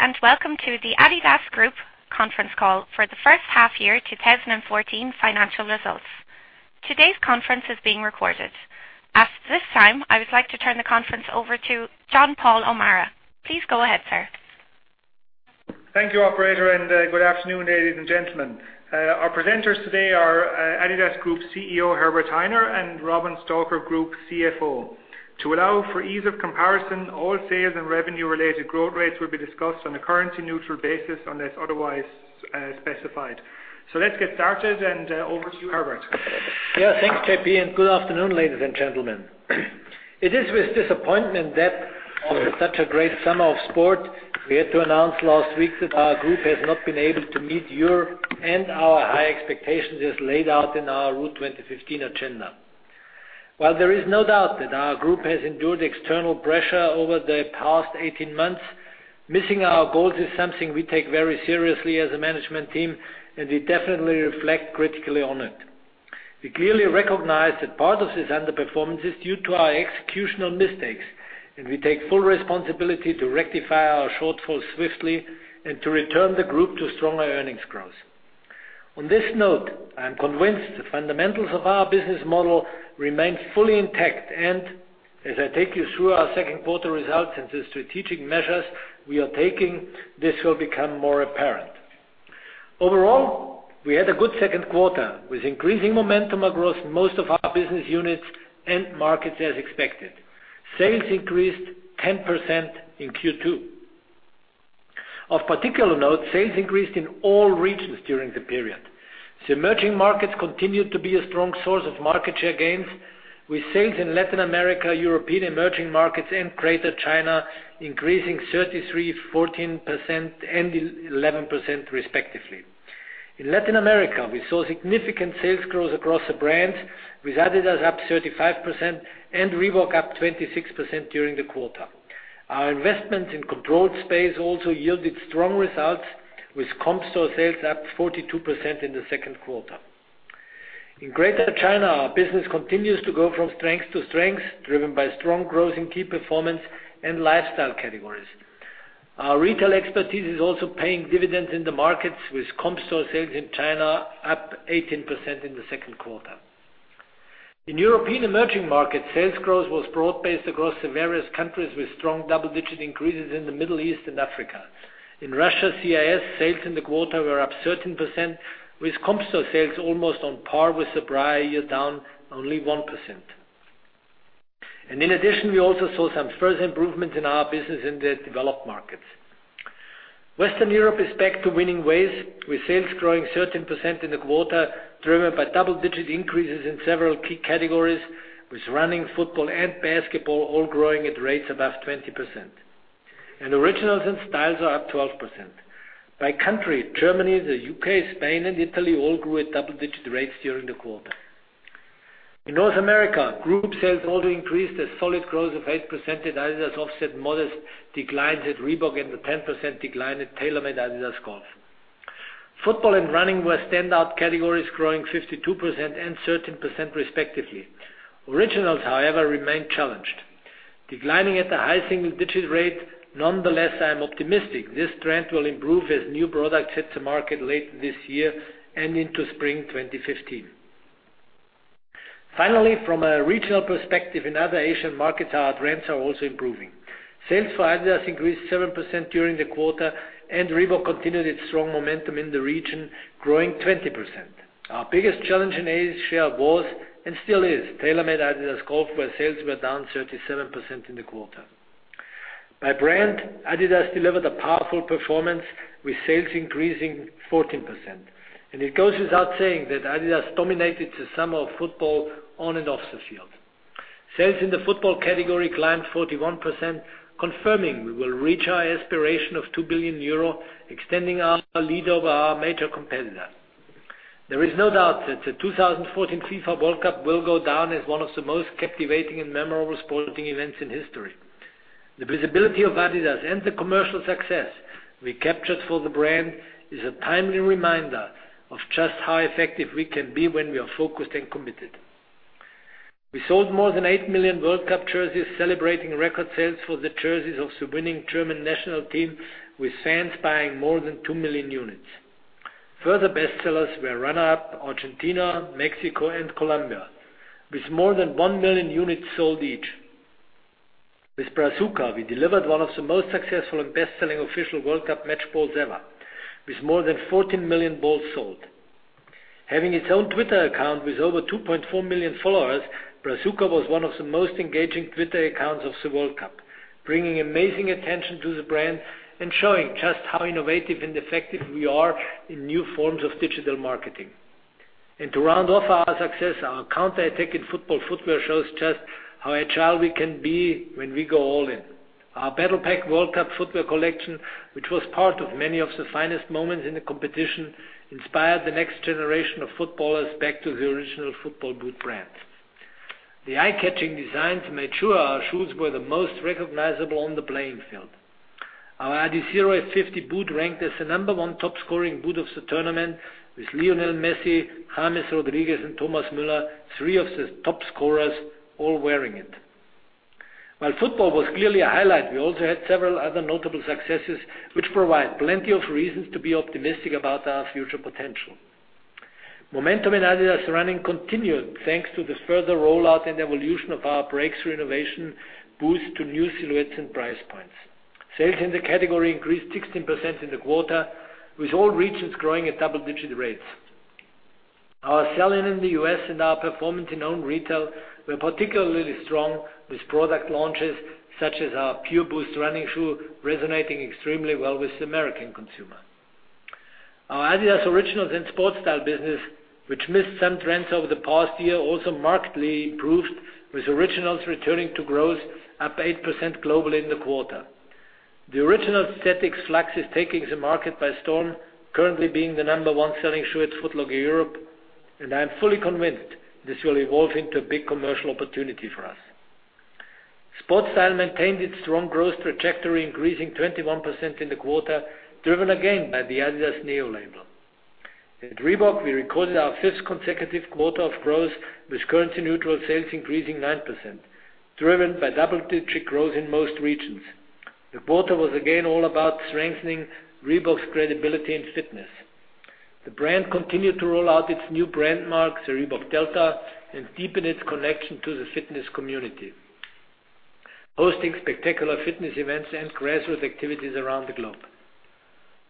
Good day, and welcome to the adidas Group conference call for the first half year 2014 financial results. Today's conference is being recorded. At this time, I would like to turn the conference over to John-Paul O'Meara. Please go ahead, sir. Thank you, operator, and good afternoon, ladies and gentlemen. Our presenters today are adidas Group CEO, Herbert Hainer, and Robin Stalker, Group CFO. To allow for ease of comparison, all sales and revenue-related growth rates will be discussed on a currency-neutral basis unless otherwise specified. Let's get started and over to you, Herbert. Thanks, JP, and good afternoon, ladies and gentlemen. It is with disappointment that on such a great summer of sport, we had to announce last week that our group has not been able to meet your and our high expectations as laid out in our Route 2015 agenda. While there is no doubt that our group has endured external pressure over the past 18 months, missing our goals is something we take very seriously as a management team, and we definitely reflect critically on it. We clearly recognize that part of this underperformance is due to our executional mistakes, and we take full responsibility to rectify our shortfalls swiftly and to return the group to stronger earnings growth. On this note, I am convinced the fundamentals of our business model remain fully intact, as I take you through our second quarter results and the strategic measures we are taking, this will become more apparent. Overall, we had a good second quarter with increasing momentum across most of our business units and markets as expected. Sales increased 10% in Q2. Of particular note, sales increased in all regions during the period. The emerging markets continued to be a strong source of market share gains, with sales in Latin America, European emerging markets, and Greater China increasing 33%, 14% and 11% respectively. In Latin America, we saw significant sales growth across the brands, with adidas up 35% and Reebok up 26% during the quarter. Our investment in controlled space also yielded strong results, with comp store sales up 42% in the second quarter. In Greater China, our business continues to go from strength to strength, driven by strong growth in key performance and lifestyle categories. Our retail expertise is also paying dividends in the markets, with comp store sales in China up 18% in the second quarter. In European emerging markets, sales growth was broad-based across the various countries, with strong double-digit increases in the Middle East and Africa. In Russia, CIS sales in the quarter were up 13%, with comp store sales almost on par with the prior year, down only 1%. In addition, we also saw some further improvements in our business in the developed markets. Western Europe is back to winning ways, with sales growing 13% in the quarter, driven by double-digit increases in several key categories, with running, football, and basketball all growing at rates above 20%. Originals and Sportstyle are up 12%. By country, Germany, the U.K., Spain, and Italy all grew at double-digit rates during the quarter. In North America, group sales also increased a solid growth of 8% at adidas, offset modest declines at Reebok and the 10% decline at TaylorMade-adidas Golf. Football and running were standout categories, growing 52% and 13% respectively. Originals, however, remain challenged, declining at a high single-digit rate. Nonetheless, I am optimistic this trend will improve as new products hit the market late this year and into spring 2015. Finally, from a regional perspective, in other Asian markets, our trends are also improving. Sales for adidas increased 7% during the quarter, and Reebok continued its strong momentum in the region, growing 20%. Our biggest challenge in Asia was, and still is, TaylorMade-adidas Golf, where sales were down 37% in the quarter. By brand, adidas delivered a powerful performance, with sales increasing 14%. It goes without saying that adidas dominated the summer of football on and off the field. Sales in the football category climbed 41%, confirming we will reach our aspiration of 2 billion euro, extending our lead over our major competitor. There is no doubt that the 2014 FIFA World Cup will go down as one of the most captivating and memorable sporting events in history. The visibility of adidas and the commercial success we captured for the brand is a timely reminder of just how effective we can be when we are focused and committed. We sold more than 8 million World Cup jerseys, celebrating record sales for the jerseys of the winning German national team, with fans buying more than 2 million units. Further bestsellers were runner-up Argentina, Mexico, and Colombia, with more than 1 million units sold each. With Brazuca, we delivered one of the most successful and best-selling official World Cup match balls ever, with more than 14 million balls sold. Having its own Twitter account with over 2.4 million followers, Brazuca was one of the most engaging Twitter accounts of the World Cup, bringing amazing attention to the brand and showing just how innovative and effective we are in new forms of digital marketing. To round off our success, our counter-attacking football footwear shows just how agile we can be when we go all in. Our Battle Pack World Cup Football Collection, which was part of many of the finest moments in the competition, inspired the next generation of footballers back to the original football boot brand. The eye-catching designs made sure our shoes were the most recognizable on the playing field. Our adizero F50 boot ranked as the number one top-scoring boot of the tournament, with Lionel Messi, James Rodríguez, and Thomas Müller, three of the top scorers, all wearing it. While football was clearly a highlight, we also had several other notable successes, which provide plenty of reasons to be optimistic about our future potential. Momentum in adidas Running continued thanks to the further rollout and evolution of our breakthrough innovation Boost to new silhouettes and price points. Sales in the category increased 16% in the quarter, with all regions growing at double-digit rates. Our selling in the U.S. and our performance in owned retail were particularly strong with product launches, such as our Pureboost running shoe resonating extremely well with the American consumer. Our adidas Originals and Sportstyle business, which missed some trends over the past year, also markedly improved, with Originals returning to growth up 8% globally in the quarter. The Originals' aesthetics flex is taking the market by storm, currently being the number one-selling shoe at Foot Locker Europe, and I'm fully convinced this will evolve into a big commercial opportunity for us. Sportstyle maintained its strong growth trajectory, increasing 21% in the quarter, driven again by the adidas Neo label. At Reebok, we recorded our fifth consecutive quarter of growth, with currency-neutral sales increasing 9%, driven by double-digit growth in most regions. The quarter was again all about strengthening Reebok's credibility in fitness. The brand continued to roll out its new brand mark, the Reebok Delta, and deepen its connection to the fitness community, hosting spectacular fitness events and grassroots activities around the globe.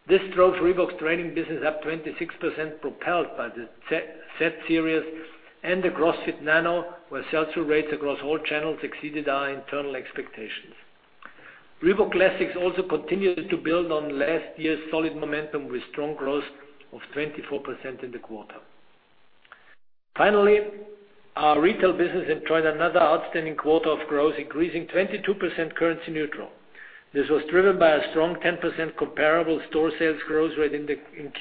This drove Reebok's training business up 26%, propelled by the ZSeries and the CrossFit Nano, where sell-through rates across all channels exceeded our internal expectations. Reebok Classics also continued to build on last year's solid momentum with strong growth of 24% in the quarter. Finally, our retail business enjoyed another outstanding quarter of growth, increasing 22% currency neutral. This was driven by a strong 10% comparable store sales growth rate in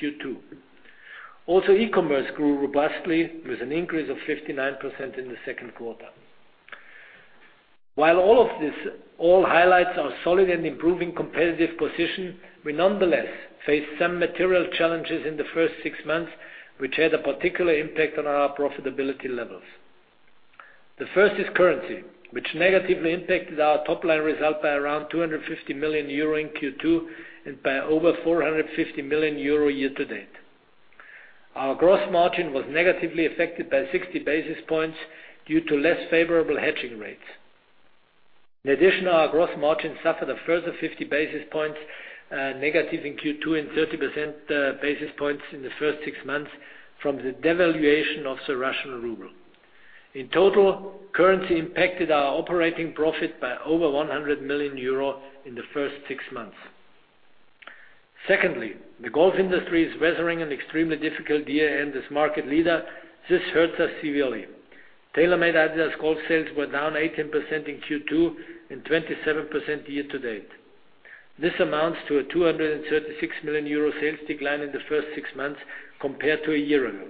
Q2. Also, e-commerce grew robustly with an increase of 59% in the second quarter. While all of this all highlights our solid and improving competitive position, we nonetheless faced some material challenges in the first six months, which had a particular impact on our profitability levels. The first is currency, which negatively impacted our top-line result by around 250 million euro in Q2 and by over 450 million euro year to date. Our gross margin was negatively affected by 60 basis points due to less favorable hedging rates. In addition, our gross margin suffered a further 50 basis points, negative in Q2 and 30 basis points in the first six months from the devaluation of the Russian ruble. In total, currency impacted our operating profit by over 100 million euro in the first six months. Secondly, the golf industry is weathering an extremely difficult year and as market leader, this hurts us severely. TaylorMade-adidas Golf sales were down 18% in Q2 and 27% year to date. This amounts to a 236 million euro sales decline in the first six months compared to a year ago.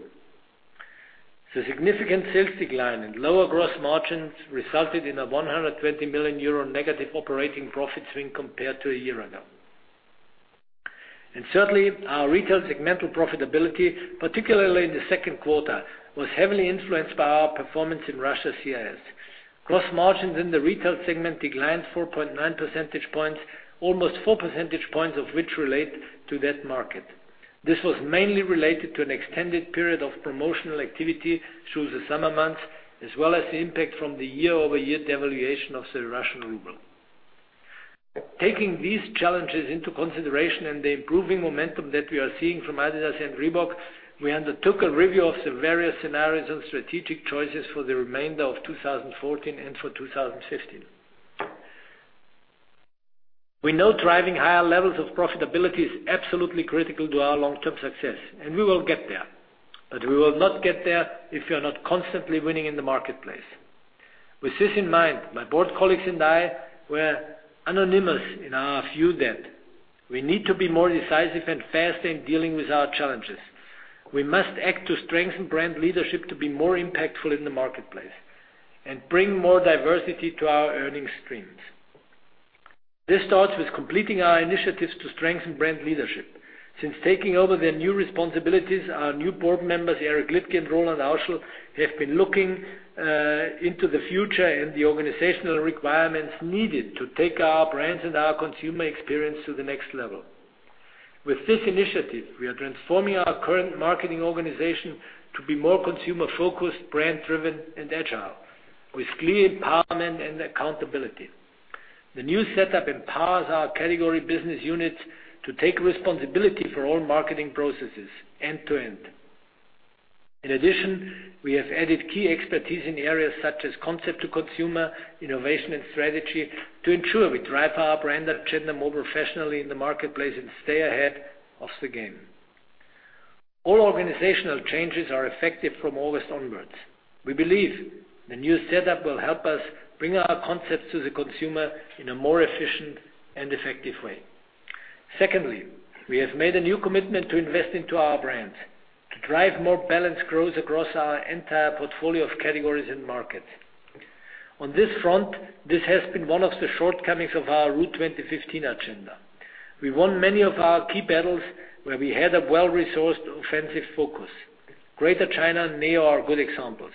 The significant sales decline and lower gross margins resulted in a 120 million euro negative operating profit swing compared to a year ago. Certainly, our retail segmental profitability, particularly in the second quarter, was heavily influenced by our performance in Russia CIS. Gross margins in the retail segment declined 4.9 percentage points, almost four percentage points of which relate to that market. This was mainly related to an extended period of promotional activity through the summer months, as well as the impact from the year-over-year devaluation of the Russian ruble. Taking these challenges into consideration and the improving momentum that we are seeing from adidas and Reebok, we undertook a review of the various scenarios and strategic choices for the remainder of 2014 and for 2015. We know driving higher levels of profitability is absolutely critical to our long-term success, we will get there, but we will not get there if we are not constantly winning in the marketplace. With this in mind, my board colleagues and I were unanimous in our view that we need to be more decisive and faster in dealing with our challenges. We must act to strengthen brand leadership to be more impactful in the marketplace and bring more diversity to our earning streams. This starts with completing our initiatives to strengthen brand leadership. Since taking over their new responsibilities, our new board members, Eric Liedtke and Roland Auschel, have been looking into the future and the organizational requirements needed to take our brands and our consumer experience to the next level. With this initiative, we are transforming our current marketing organization to be more consumer-focused, brand-driven, and agile, with clear empowerment and accountability. The new setup empowers our category business units to take responsibility for all marketing processes end to end. In addition, we have added key expertise in areas such as concept to consumer, innovation, and strategy to ensure we drive our brand agenda more professionally in the marketplace and stay ahead of the game. All organizational changes are effective from August onwards. We believe the new setup will help us bring our concepts to the consumer in a more efficient and effective way. Secondly, we have made a new commitment to invest into our brands to drive more balanced growth across our entire portfolio of categories and markets. On this front, this has been one of the shortcomings of our Route 2015 agenda. We won many of our key battles where we had a well-resourced offensive focus. Greater China and Neo are good examples.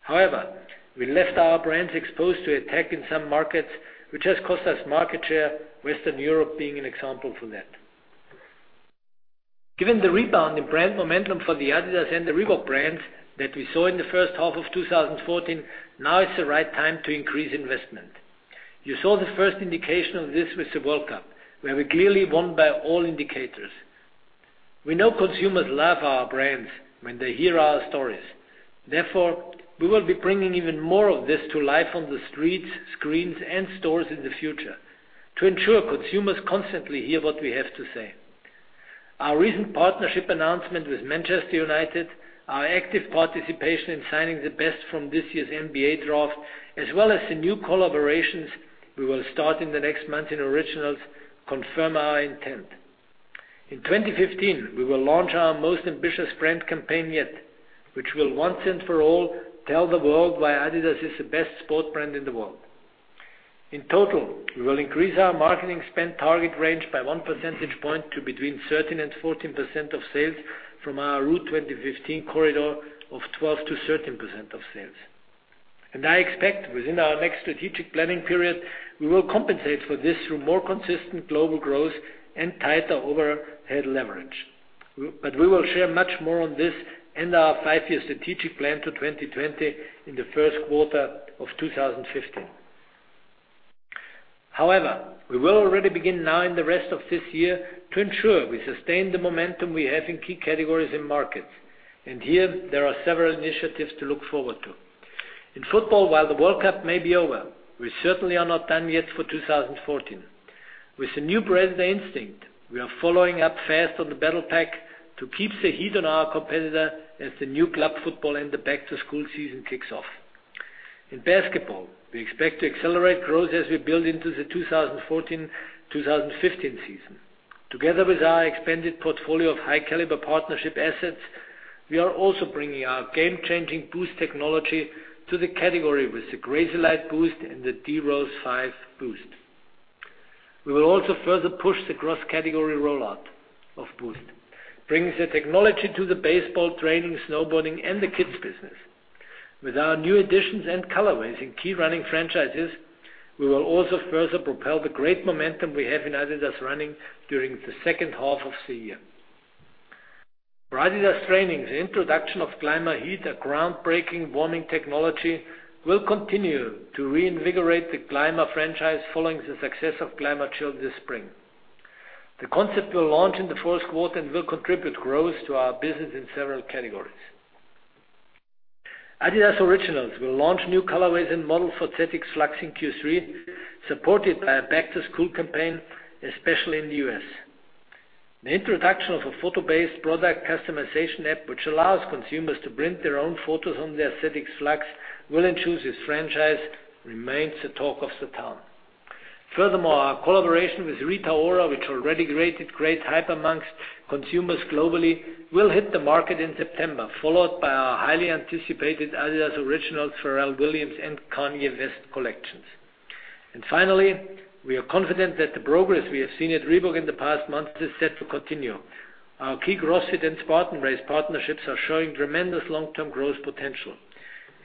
However, we left our brands exposed to attack in some markets, which has cost us market share, Western Europe being an example for that. Given the rebound in brand momentum for the adidas and the Reebok brands that we saw in the first half of 2014, now is the right time to increase investment. You saw the first indication of this with the World Cup, where we clearly won by all indicators. We know consumers love our brands when they hear our stories. Therefore, we will be bringing even more of this to life on the streets, screens, and stores in the future to ensure consumers constantly hear what we have to say. Our recent partnership announcement with Manchester United, our active participation in signing the best from this year's NBA draft, as well as the new collaborations we will start in the next month in Originals, confirm our intent. In 2015, we will launch our most ambitious brand campaign yet, which will once and for all tell the world why adidas is the best sport brand in the world. In total, we will increase our marketing spend target range by 1% point to between 13%-14% of sales from our Route 2015 corridor of 12%-13% of sales. I expect within our next strategic planning period, we will compensate for this through more consistent global growth and tighter overhead leverage. We will share much more on this in our five-year strategic plan to 2020 in the first quarter of 2015. We will already begin now in the rest of this year to ensure we sustain the momentum we have in key categories and markets. Here, there are several initiatives to look forward to. In football, while the World Cup may be over, we certainly are not done yet for 2014. With the new brand, Predator Instinct, we are following up fast on the Battle Pack to keep the heat on our competitor as the new club football and the back-to-school season kicks off. In basketball, we expect to accelerate growth as we build into the 2014-2015 season. Together with our expanded portfolio of high-caliber partnership assets, we are also bringing our game-changing Boost technology to the category with the Crazylight Boost and the D Rose 5 Boost. We will also further push the cross-category rollout of Boost, bringing the technology to the baseball, training, snowboarding, and the kids business. With our new additions and colorways in key running franchises, we will also further propel the great momentum we have in adidas Running during the second half of the year. For adidas Training, the introduction of Climaheat, a groundbreaking warming technology, will continue to reinvigorate the Clima franchise following the success of Climachill this spring. The concept will launch in the fourth quarter and will contribute growth to our business in several categories. adidas Originals will launch new colorways and models for ZX Flux in Q3, supported by a back-to-school campaign, especially in the U.S. The introduction of a photo-based product customization app, which allows consumers to print their own photos on their ZX Flux will ensure this franchise remains the talk of the town. Furthermore, our collaboration with Rita Ora, which already created great hype amongst consumers globally, will hit the market in September, followed by our highly anticipated adidas Originals Pharrell Williams and Kanye West collections. Finally, we are confident that the progress we have seen at Reebok in the past months is set to continue. Our key CrossFit and Spartan Race partnerships are showing tremendous long-term growth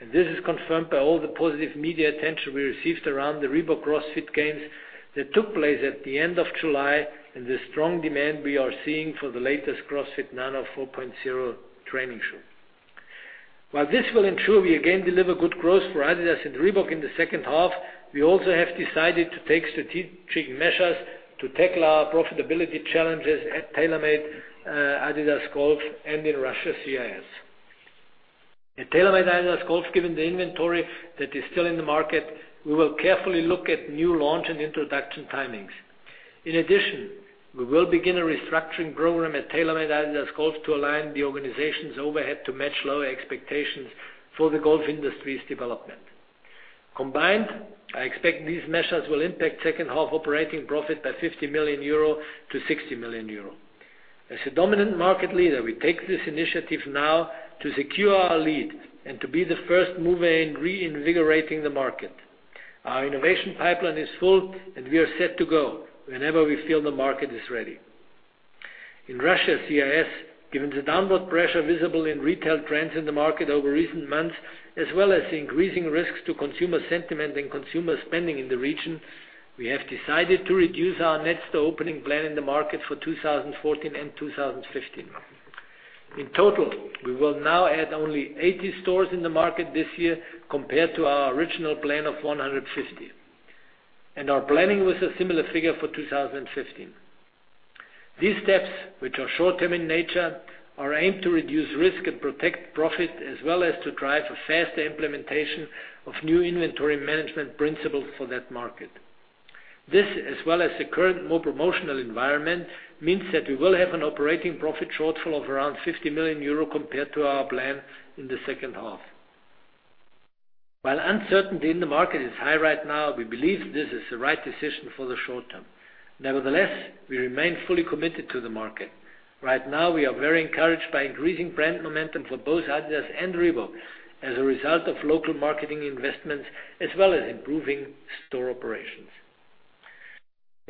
potential. This is confirmed by all the positive media attention we received around the Reebok CrossFit Games that took place at the end of July and the strong demand we are seeing for the latest CrossFit Nano 4.0 training shoe. While this will ensure we again deliver good growth for adidas and Reebok in the second half, we also have decided to take strategic measures to tackle our profitability challenges at TaylorMade, adidas Golf, and in Russia CIS. At TaylorMade-adidas Golf, given the inventory that is still in the market, we will carefully look at new launch and introduction timings. In addition, we will begin a restructuring program at TaylorMade-adidas Golf to align the organization's overhead to match lower expectations for the golf industry's development. Combined, I expect these measures will impact second half operating profit by 60 million euro. As a dominant market leader, we take this initiative now to secure our lead and to be the first mover in reinvigorating the market. Our innovation pipeline is full and we are set to go whenever we feel the market is ready. In Russia CIS, given the downward pressure visible in retail trends in the market over recent months, as well as the increasing risks to consumer sentiment and consumer spending in the region, we have decided to reduce our net store opening plan in the market for 2014 and 2015. In total, we will now add only 80 stores in the market this year compared to our original plan of 150. Our planning with a similar figure for 2015. These steps, which are short-term in nature, are aimed to reduce risk and protect profit, as well as to drive a faster implementation of new inventory management principles for that market. This, as well as the current more promotional environment, means that we will have an operating profit shortfall of around 50 million euro compared to our plan in the second half. While uncertainty in the market is high right now, we believe this is the right decision for the short term. Nevertheless, we remain fully committed to the market. Right now, we are very encouraged by increasing brand momentum for both adidas and Reebok as a result of local marketing investments, as well as improving store operations.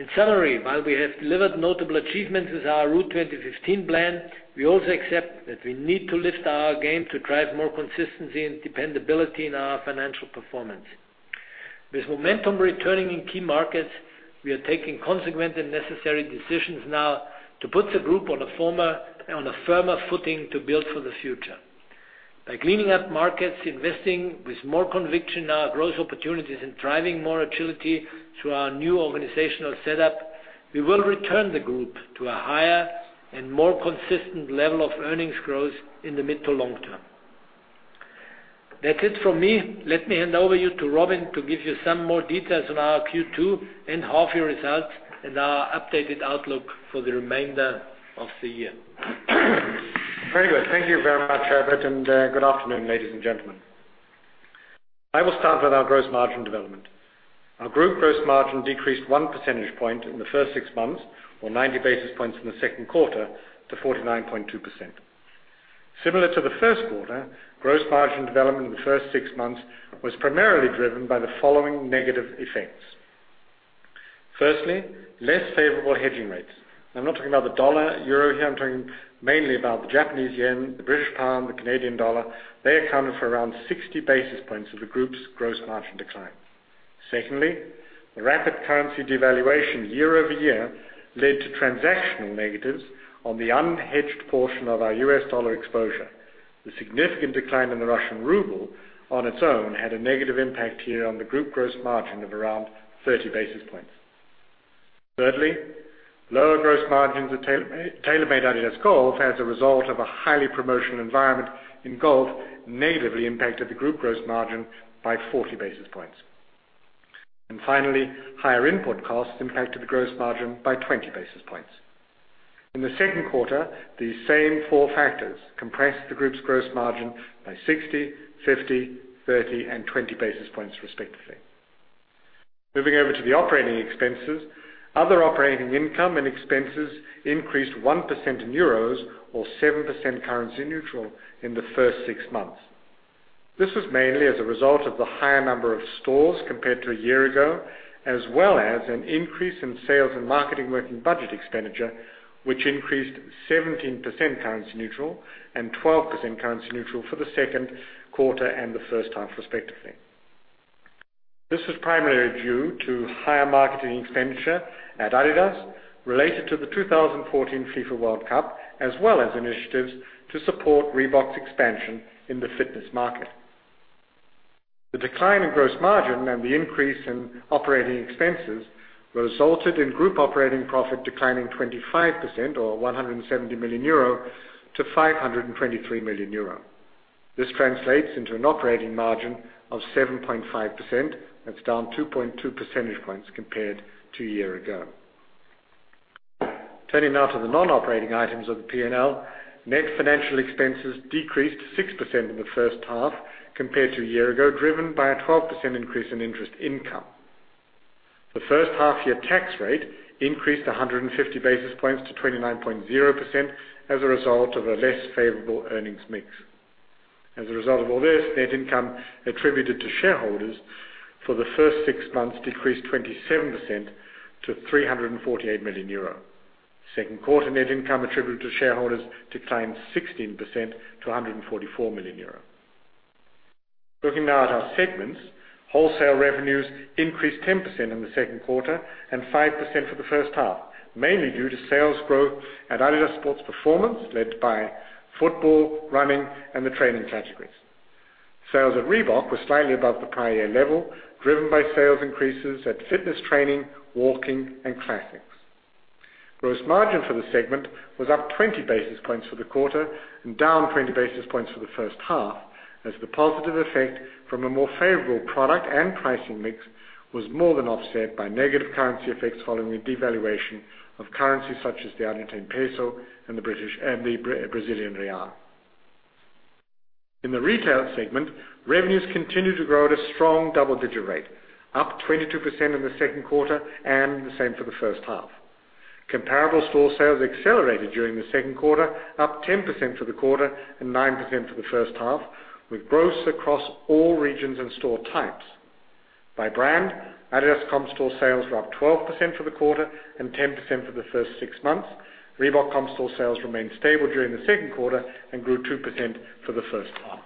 In summary, while we have delivered notable achievements with our Route 2015 plan, we also accept that we need to lift our game to drive more consistency and dependability in our financial performance. With momentum returning in key markets, we are taking consequent and necessary decisions now to put the group on a firmer footing to build for the future. By cleaning up markets, investing with more conviction our growth opportunities, and driving more agility through our new organizational setup, we will return the group to a higher and more consistent level of earnings growth in the mid to long term. That's it from me. Let me hand over you to Robin to give you some more details on our Q2 and half-year results and our updated outlook for the remainder of the year. Very good. Thank you very much, Herbert, and good afternoon, ladies and gentlemen. I will start with our gross margin development. Our group gross margin decreased one percentage point in the first six months, or 90 basis points in the second quarter, to 49.2%. Similar to the first quarter, gross margin development in the first six months was primarily driven by the following negative effects. Firstly, less favorable hedging rates. I'm not talking about the dollar, euro here. I'm talking mainly about the Japanese yen, the British pound, the Canadian dollar. They accounted for around 60 basis points of the group's gross margin decline. Secondly, the rapid currency devaluation year-over-year led to transactional negatives on the unhedged portion of our U.S. dollar exposure. The significant decline in the Russian ruble on its own had a negative impact here on the group gross margin of around 30 basis points. Thirdly, lower gross margins at TaylorMade-adidas Golf, as a result of a highly promotional environment in golf, negatively impacted the group gross margin by 40 basis points. Finally, higher input costs impacted the gross margin by 20 basis points. In the second quarter, the same four factors compressed the group's gross margin by 60, 50, 30, and 20 basis points respectively. Moving over to the operating expenses, other operating income and expenses increased 1% in EUR or 7% currency neutral in the first six months. This was mainly as a result of the higher number of stores compared to a year ago, as well as an increase in sales and marketing working budget expenditure, which increased 17% currency neutral and 12% currency neutral for the second quarter and the first half respectively. This was primarily due to higher marketing expenditure at adidas related to the 2014 FIFA World Cup, as well as initiatives to support Reebok's expansion in the fitness market. The decline in gross margin and the increase in operating expenses resulted in group operating profit declining 25%, or 170 million euro to 523 million euro. This translates into an operating margin of 7.5%. That's down 2.2 percentage points compared to a year ago. Turning now to the non-operating items of the P&L, net financial expenses decreased 6% in the first half compared to a year ago, driven by a 12% increase in interest income. The first half-year tax rate increased 150 basis points to 29.0% as a result of a less favorable earnings mix. As a result of all this, net income attributed to shareholders for the first six months decreased 27% to 348 million euro. Second quarter net income attributed to shareholders declined 16% to 144 million euro. Looking now at our segments, wholesale revenues increased 10% in the second quarter and 5% for the first half, mainly due to sales growth at adidas Sport Performance, led by football, running, and the training categories. Sales at Reebok were slightly above the prior year level, driven by sales increases at fitness training, walking, and Classics. Gross margin for the segment was up 20 basis points for the quarter and down 20 basis points for the first half, as the positive effect from a more favorable product and pricing mix was more than offset by negative currency effects following a devaluation of currencies such as the Argentine peso and the Brazilian real. In the retail segment, revenues continued to grow at a strong double-digit rate, up 22% in the second quarter and the same for the first half. Comparable store sales accelerated during the second quarter, up 10% for the quarter and 9% for the first half, with growth across all regions and store types. By brand, adidas comp store sales were up 12% for the quarter and 10% for the first six months. Reebok comp store sales remained stable during the second quarter and grew 2% for the first half.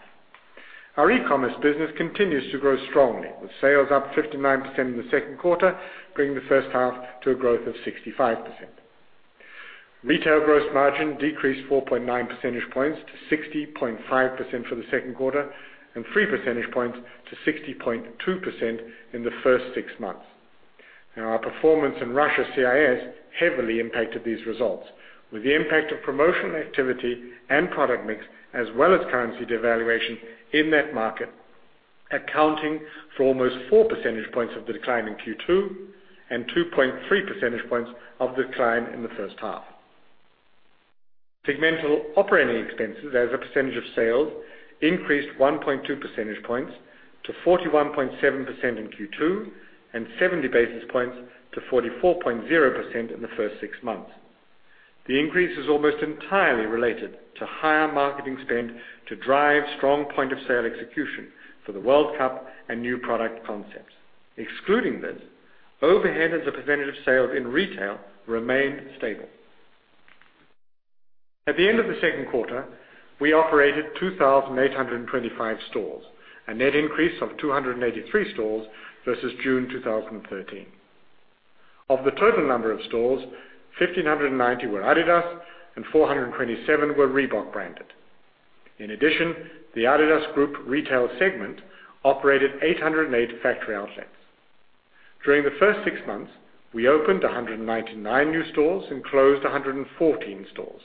Our e-commerce business continues to grow strongly, with sales up 59% in the second quarter, bringing the first half to a growth of 65%. Retail gross margin decreased 4.9 percentage points to 60.5% for the second quarter and 3 percentage points to 60.2% in the first six months. Our performance in Russia CIS heavily impacted these results. With the impact of promotional activity and product mix, as well as currency devaluation in that market, accounting for almost four percentage points of the decline in Q2 and 2.3 percentage points of decline in the first half. Segmental operating expenses as a percentage of sales increased 1.2 percentage points to 41.7% in Q2 and 70 basis points to 44.0% in the first six months. The increase is almost entirely related to higher marketing spend to drive strong point-of-sale execution for the World Cup and new product concepts. Excluding this, overhead as a percentage of sales in retail remained stable. At the end of the second quarter, we operated 2,825 stores, a net increase of 283 stores versus June 2013. Of the total number of stores, 1,590 were adidas and 427 were Reebok branded. In addition, the adidas Group retail segment operated 808 factory outlets. During the first six months, we opened 199 new stores and closed 114 stores,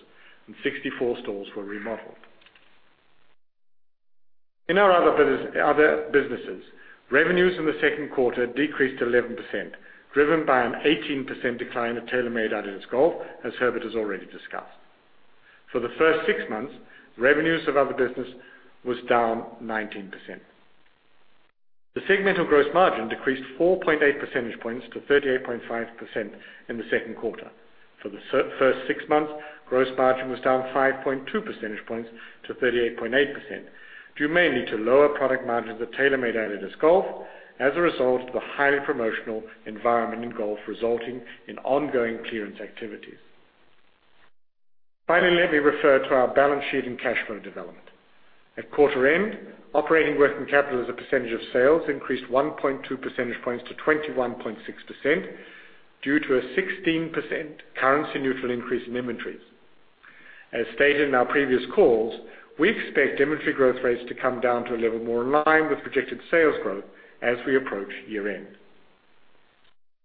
and 64 stores were remodeled. In our other businesses, revenues in the second quarter decreased 11%, driven by an 18% decline at TaylorMade-adidas Golf, as Herbert has already discussed. For the first six months, revenues of other business was down 19%. The segmental gross margin decreased 4.8 percentage points to 38.5% in the second quarter. For the first six months, gross margin was down 5.2 percentage points to 38.8%, due mainly to lower product margins at TaylorMade-adidas Golf as a result of the highly promotional environment in golf, resulting in ongoing clearance activities. Finally, let me refer to our balance sheet and cash flow development. At quarter end, operating working capital as a percentage of sales increased 1.2 percentage points to 21.6% due to a 16% currency neutral increase in inventories. As stated in our previous calls, we expect inventory growth rates to come down to a level more in line with projected sales growth as we approach year-end.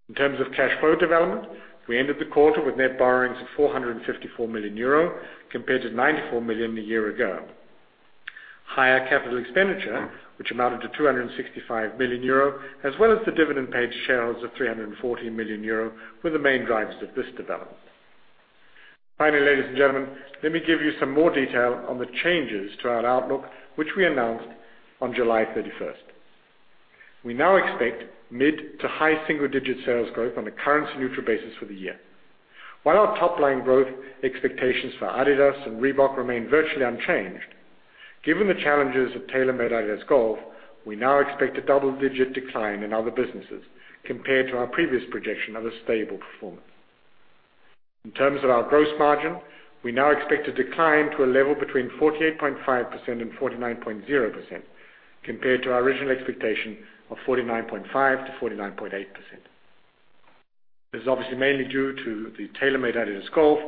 In terms of cash flow development, we ended the quarter with net borrowings of 454 million euro compared to 94 million a year ago. Higher capital expenditure, which amounted to 265 million euro, as well as the dividend paid to shareholders of 314 million euro, were the main drivers of this development. Finally, ladies and gentlemen, let me give you some more detail on the changes to our outlook, which we announced on July 31st. We now expect mid to high single-digit sales growth on a currency-neutral basis for the year. While our top-line growth expectations for adidas and Reebok remain virtually unchanged, given the challenges of TaylorMade-adidas Golf, we now expect a double-digit decline in other businesses compared to our previous projection of a stable performance. In terms of our gross margin, we now expect a decline to a level between 48.5% and 49.0%, compared to our original expectation of 49.5%-49.8%. This is obviously mainly due to the TaylorMade-adidas Golf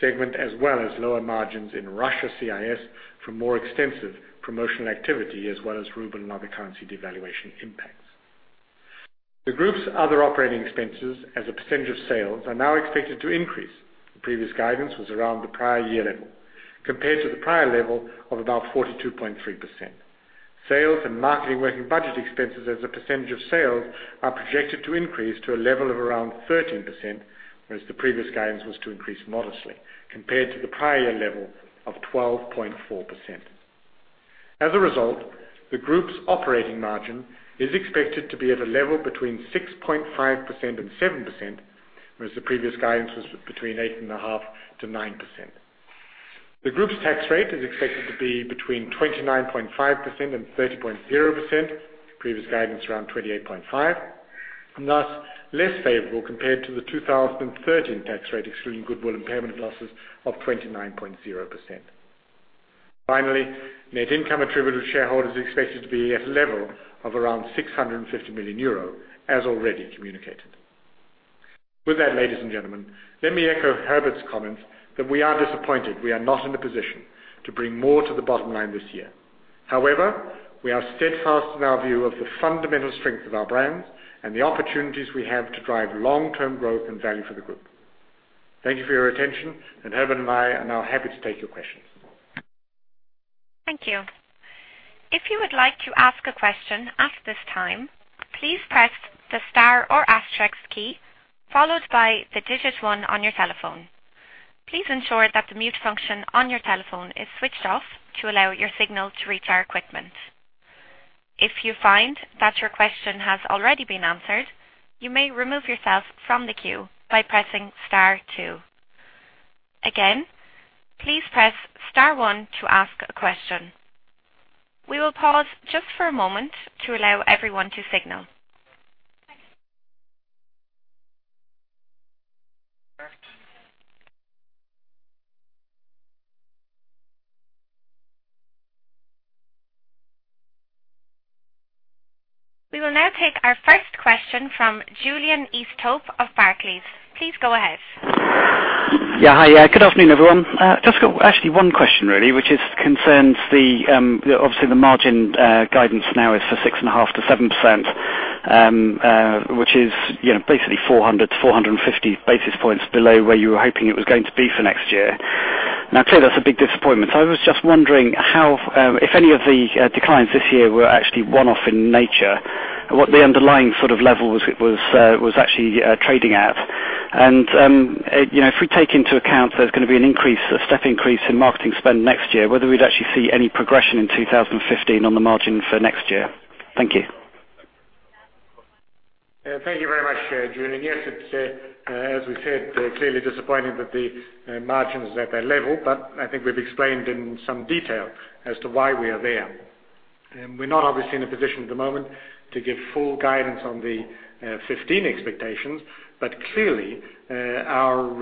segment, as well as lower margins in Russia CIS from more extensive promotional activity as well as ruble and other currency devaluation impacts. The group's other operating expenses as a percentage of sales are now expected to increase. The previous guidance was around the prior year level compared to the prior level of about 42.3%. Sales and marketing working budget expenses as a percentage of sales are projected to increase to a level of around 13%, whereas the previous guidance was to increase modestly compared to the prior year level of 12.4%. As a result, the group's operating margin is expected to be at a level between 6.5% and 7%, whereas the previous guidance was between 8.5% to 9%. The group's tax rate is expected to be between 29.5% and 30.0%, previous guidance around 28.5%, and thus less favorable compared to the 2013 tax rate, excluding goodwill impairment losses of 29.0%. Finally, net income attributable to shareholders is expected to be at a level of around 650 million euro, as already communicated. With that, ladies and gentlemen, let me echo Herbert's comments that we are disappointed we are not in a position to bring more to the bottom line this year. We are steadfast in our view of the fundamental strength of our brands and the opportunities we have to drive long-term growth and value for the group. Thank you for your attention, Herbert and I are now happy to take your questions. Thank you. If you would like to ask a question at this time, please press the star or asterisk key followed by the digit 1 on your telephone. Please ensure that the mute function on your telephone is switched off to allow your signal to reach our equipment. If you find that your question has already been answered, you may remove yourself from the queue by pressing star two. Again, please press star one to ask a question. We will pause just for a moment to allow everyone to signal. We will now take our first question from Julian Easthope of Barclays. Please go ahead. Hi. Good afternoon, everyone. Just got actually one question, really, which concerns the, obviously, the margin guidance now is for 6.5% to 7%, which is basically 400 to 450 basis points below where you were hoping it was going to be for next year. Clearly, that's a big disappointment. I was just wondering if any of the declines this year were actually one-off in nature and what the underlying sort of level was actually trading at. If we take into account there's going to be a step increase in marketing spend next year, whether we'd actually see any progression in 2015 on the margin for next year. Thank you. Thank you very much, Julian. Yes, as we said, clearly disappointing that the margin's at that level, but I think we've explained in some detail as to why we are there. We are not obviously in a position at the moment to give full guidance on the 2015 expectations, Clearly, our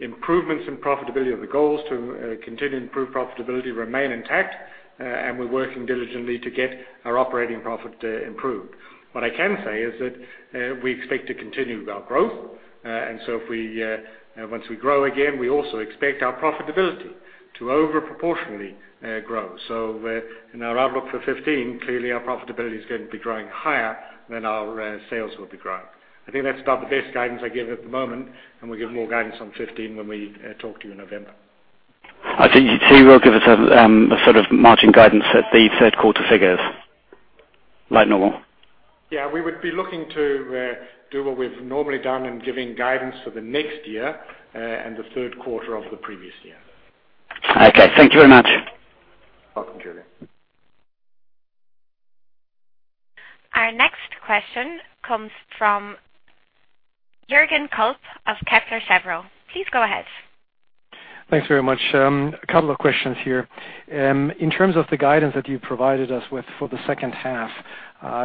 improvements in profitability are the goals to continue to improve profitability remain intact, We are working diligently to get our operating profit to improve. What I can say is that we expect to continue with our growth. Once we grow again, we also expect our profitability to over-proportionately grow. In our outlook for 2015, clearly our profitability is going to be growing higher than our sales will be growing. I think that is about the best guidance I can give at the moment, and we will give more guidance on 2015 when we talk to you in November. You will give us a sort of margin guidance at the third quarter figures, like normal? Yes, we would be looking to do what we have normally done in giving guidance for the next year, and the third quarter of the previous year. Okay. Thank you very much. Welcome, Julian. Our next question comes from Jürgen Kolb of Kepler Cheuvreux. Please go ahead. Thanks very much. A couple of questions here. In terms of the guidance that you provided us with for the second half,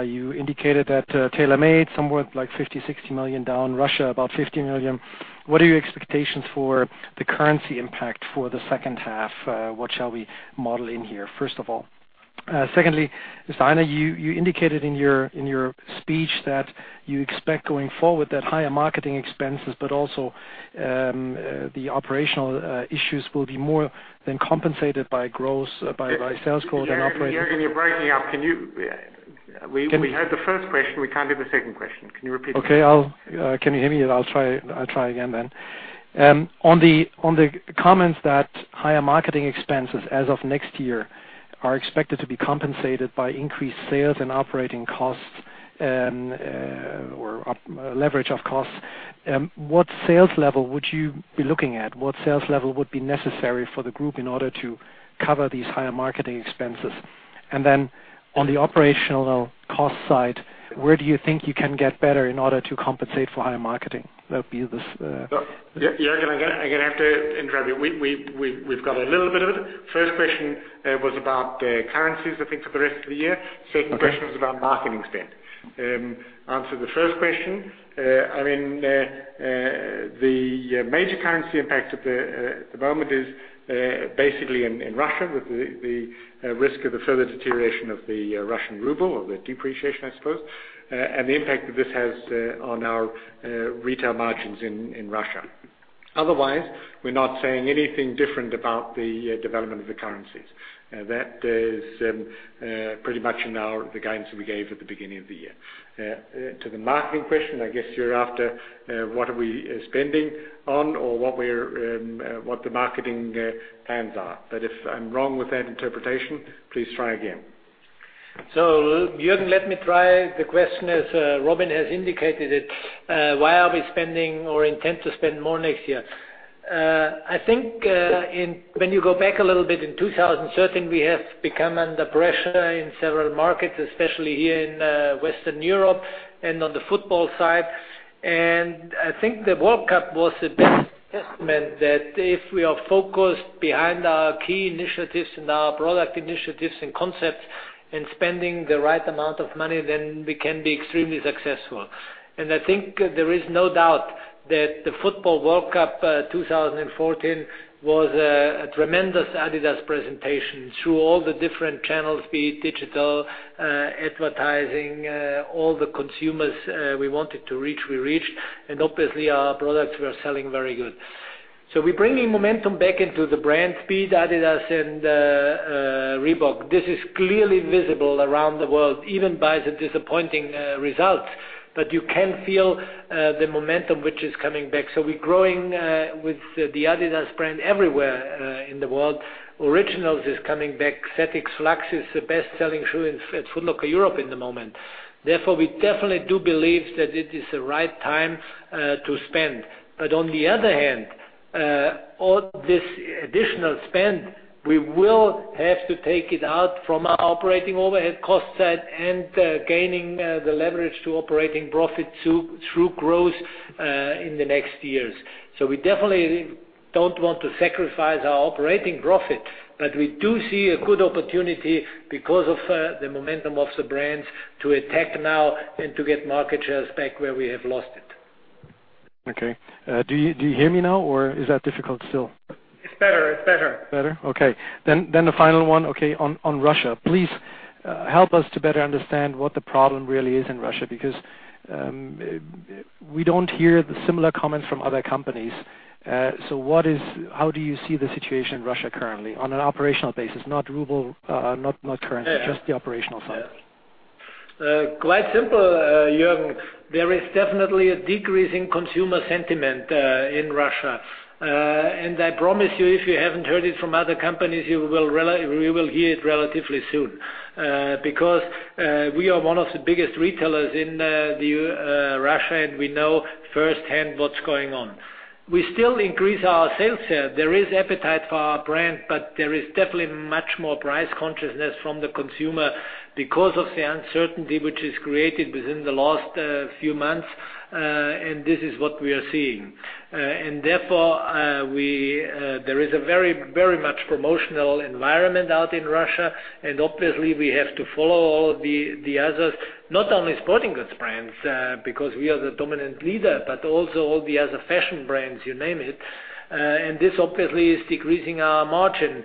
you indicated that TaylorMade, somewhere like 50 million-60 million down, Russia, about 50 million. What are your expectations for the currency impact for the second half? What shall we model in here, first of all? Secondly, Hainer, you indicated in your speech that you expect going forward that higher marketing expenses, but also the operational issues will be more than compensated by sales growth and operating. Jürgen, you're breaking up. We heard the first question. We can't hear the second question. Can you repeat that? Okay. Can you hear me? I'll try again. On the comments that higher marketing expenses as of next year are expected to be compensated by increased sales and operating costs, or leverage of costs, what sales level would you be looking at? What sales level would be necessary for the group in order to cover these higher marketing expenses? On the operational cost side, where do you think you can get better in order to compensate for higher marketing? Jürgen, I'm going to have to interrupt you. We've got a little bit of it. First question was about currencies, I think, for the rest of the year. Second question was about marketing spend. Answer the first question. The major currency impact at the moment is basically in Russia with the risk of a further deterioration of the Russian ruble or the depreciation, I suppose, and the impact that this has on our retail margins in Russia. Otherwise, we're not saying anything different about the development of the currencies. That is pretty much in the guidance that we gave at the beginning of the year. To the marketing question, I guess you're after what are we spending on or what the marketing plans are. If I'm wrong with that interpretation, please try again. Jürgen, let me try the question as Robin has indicated it. Why are we spending or intend to spend more next year? I think when you go back a little bit in 2013, we have become under pressure in several markets, especially here in Western Europe and on the football side. I think the World Cup was a big testament that if we are focused behind our key initiatives and our product initiatives and concepts and spending the right amount of money, then we can be extremely successful. I think there is no doubt that the Football World Cup 2014 was a tremendous adidas presentation through all the different channels, be it digital, advertising, all the consumers we wanted to reach, we reached, and obviously our products were selling very good. We're bringing momentum back into the brand speed, adidas and Reebok. This is clearly visible around the world, even by the disappointing results. You can feel the momentum which is coming back. We're growing with the adidas brand everywhere in the world. Originals is coming back. ZX Flux is the best-selling shoe at Foot Locker Europe in the moment. Therefore, we definitely do believe that it is the right time to spend. On the other hand, all this additional spend, we will have to take it out from our operating overhead cost side and gaining the leverage to operating profit through growth in the next years. We definitely don't want to sacrifice our operating profit, we do see a good opportunity because of the momentum of the brands to attack now and to get market shares back where we have lost it. Okay. Do you hear me now, or is that difficult still? It's better. Better? Okay. The final one, okay, on Russia. Please help us to better understand what the problem really is in Russia, because we don't hear the similar comments from other companies. How do you see the situation in Russia currently on an operational basis, not ruble, not currency, just the operational side. Quite simple, Jürgen. There is definitely a decrease in consumer sentiment in Russia. I promise you, if you haven't heard it from other companies, you will hear it relatively soon. Because we are one of the biggest retailers in Russia, and we know firsthand what's going on. We still increase our sales. There is appetite for our brand, but there is definitely much more price consciousness from the consumer because of the uncertainty which is created within the last few months, and this is what we are seeing. Therefore, there is a very much promotional environment out in Russia, and obviously we have to follow all the others, not only sporting goods brands because we are the dominant leader, but also all the other fashion brands, you name it. This obviously is decreasing our margin,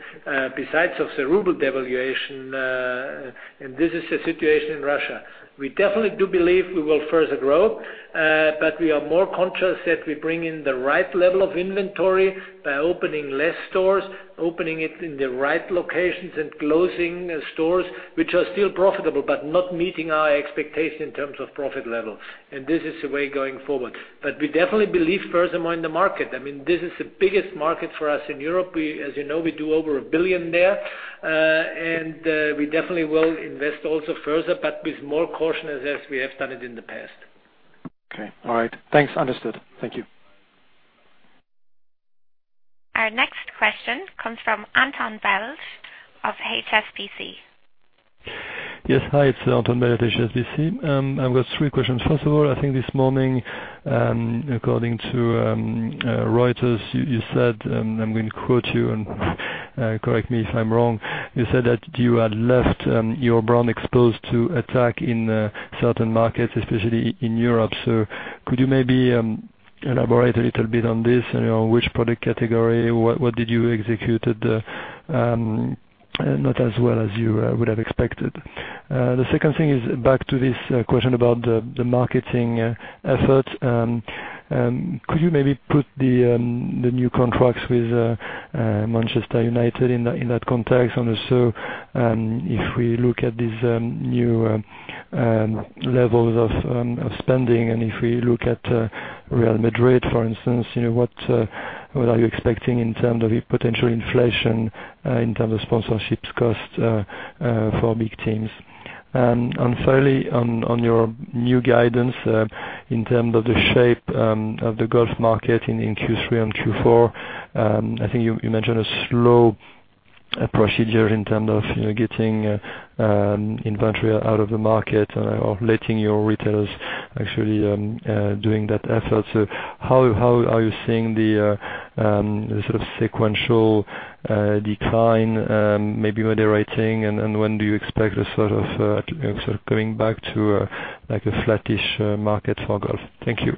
besides of the ruble devaluation. This is the situation in Russia. We definitely do believe we will further grow, but we are more conscious that we bring in the right level of inventory by opening less stores, opening it in the right locations and closing stores which are still profitable but not meeting our expectation in terms of profit levels. This is the way going forward. We definitely believe furthermore in the market. This is the biggest market for us in Europe. As you know, we do over 1 billion there, and we definitely will invest also further, but with more caution as we have done it in the past. Okay. All right. Thanks. Understood. Thank you. Our next question comes from Antoine Belge of HSBC. Yes. Hi, it's Antoine Belge at HSBC. I've got three questions. First of all, I think this morning, according to Reuters, you said, I'm going to quote you, and correct me if I'm wrong. You said that you had left your brand exposed to attack in certain markets, especially in Europe. Could you maybe elaborate a little bit on this? On which product category, what did you execute, not as well as you would have expected? The second thing is back to this question about the marketing effort. Could you maybe put the new contracts with Manchester United in that context? Also, if we look at these new levels of spending, and if we look at Real Madrid, for instance, what are you expecting in terms of potential inflation, in terms of sponsorships cost for big teams? Thirdly, on your new guidance, in terms of the shape of the golf market in Q3 and Q4, I think you mentioned a slow procedure in terms of getting inventory out of the market or letting your retailers actually doing that effort. How are you seeing the sort of sequential decline, maybe moderating, and when do you expect sort of going back to a flattish market for golf? Thank you.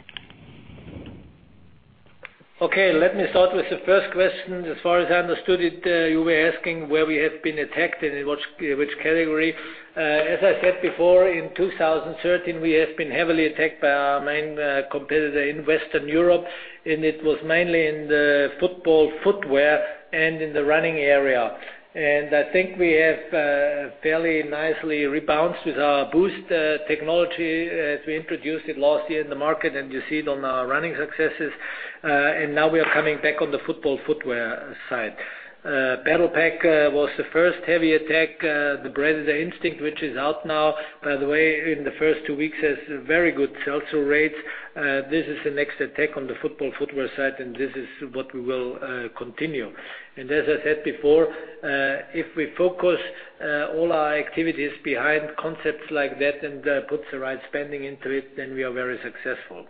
Okay, let me start with the first question. As far as I understood it, you were asking where we have been attacked and in which category. As I said before, in 2013, we have been heavily attacked by our main competitor in Western Europe, and it was mainly in the football footwear and in the running area. I think we have fairly nicely rebounded with our Boost technology as we introduced it last year in the market, and you see it on our running successes. Now we are coming back on the football footwear side. Battle Pack was the first heavy attack. The Predator Instinct, which is out now, by the way, in the first two weeks, has very good sell-through rates. This is the next attack on the football footwear side, and this is what we will continue. As I said before, if we focus all our activities behind concepts like that and put the right spending into it, then we are very successful.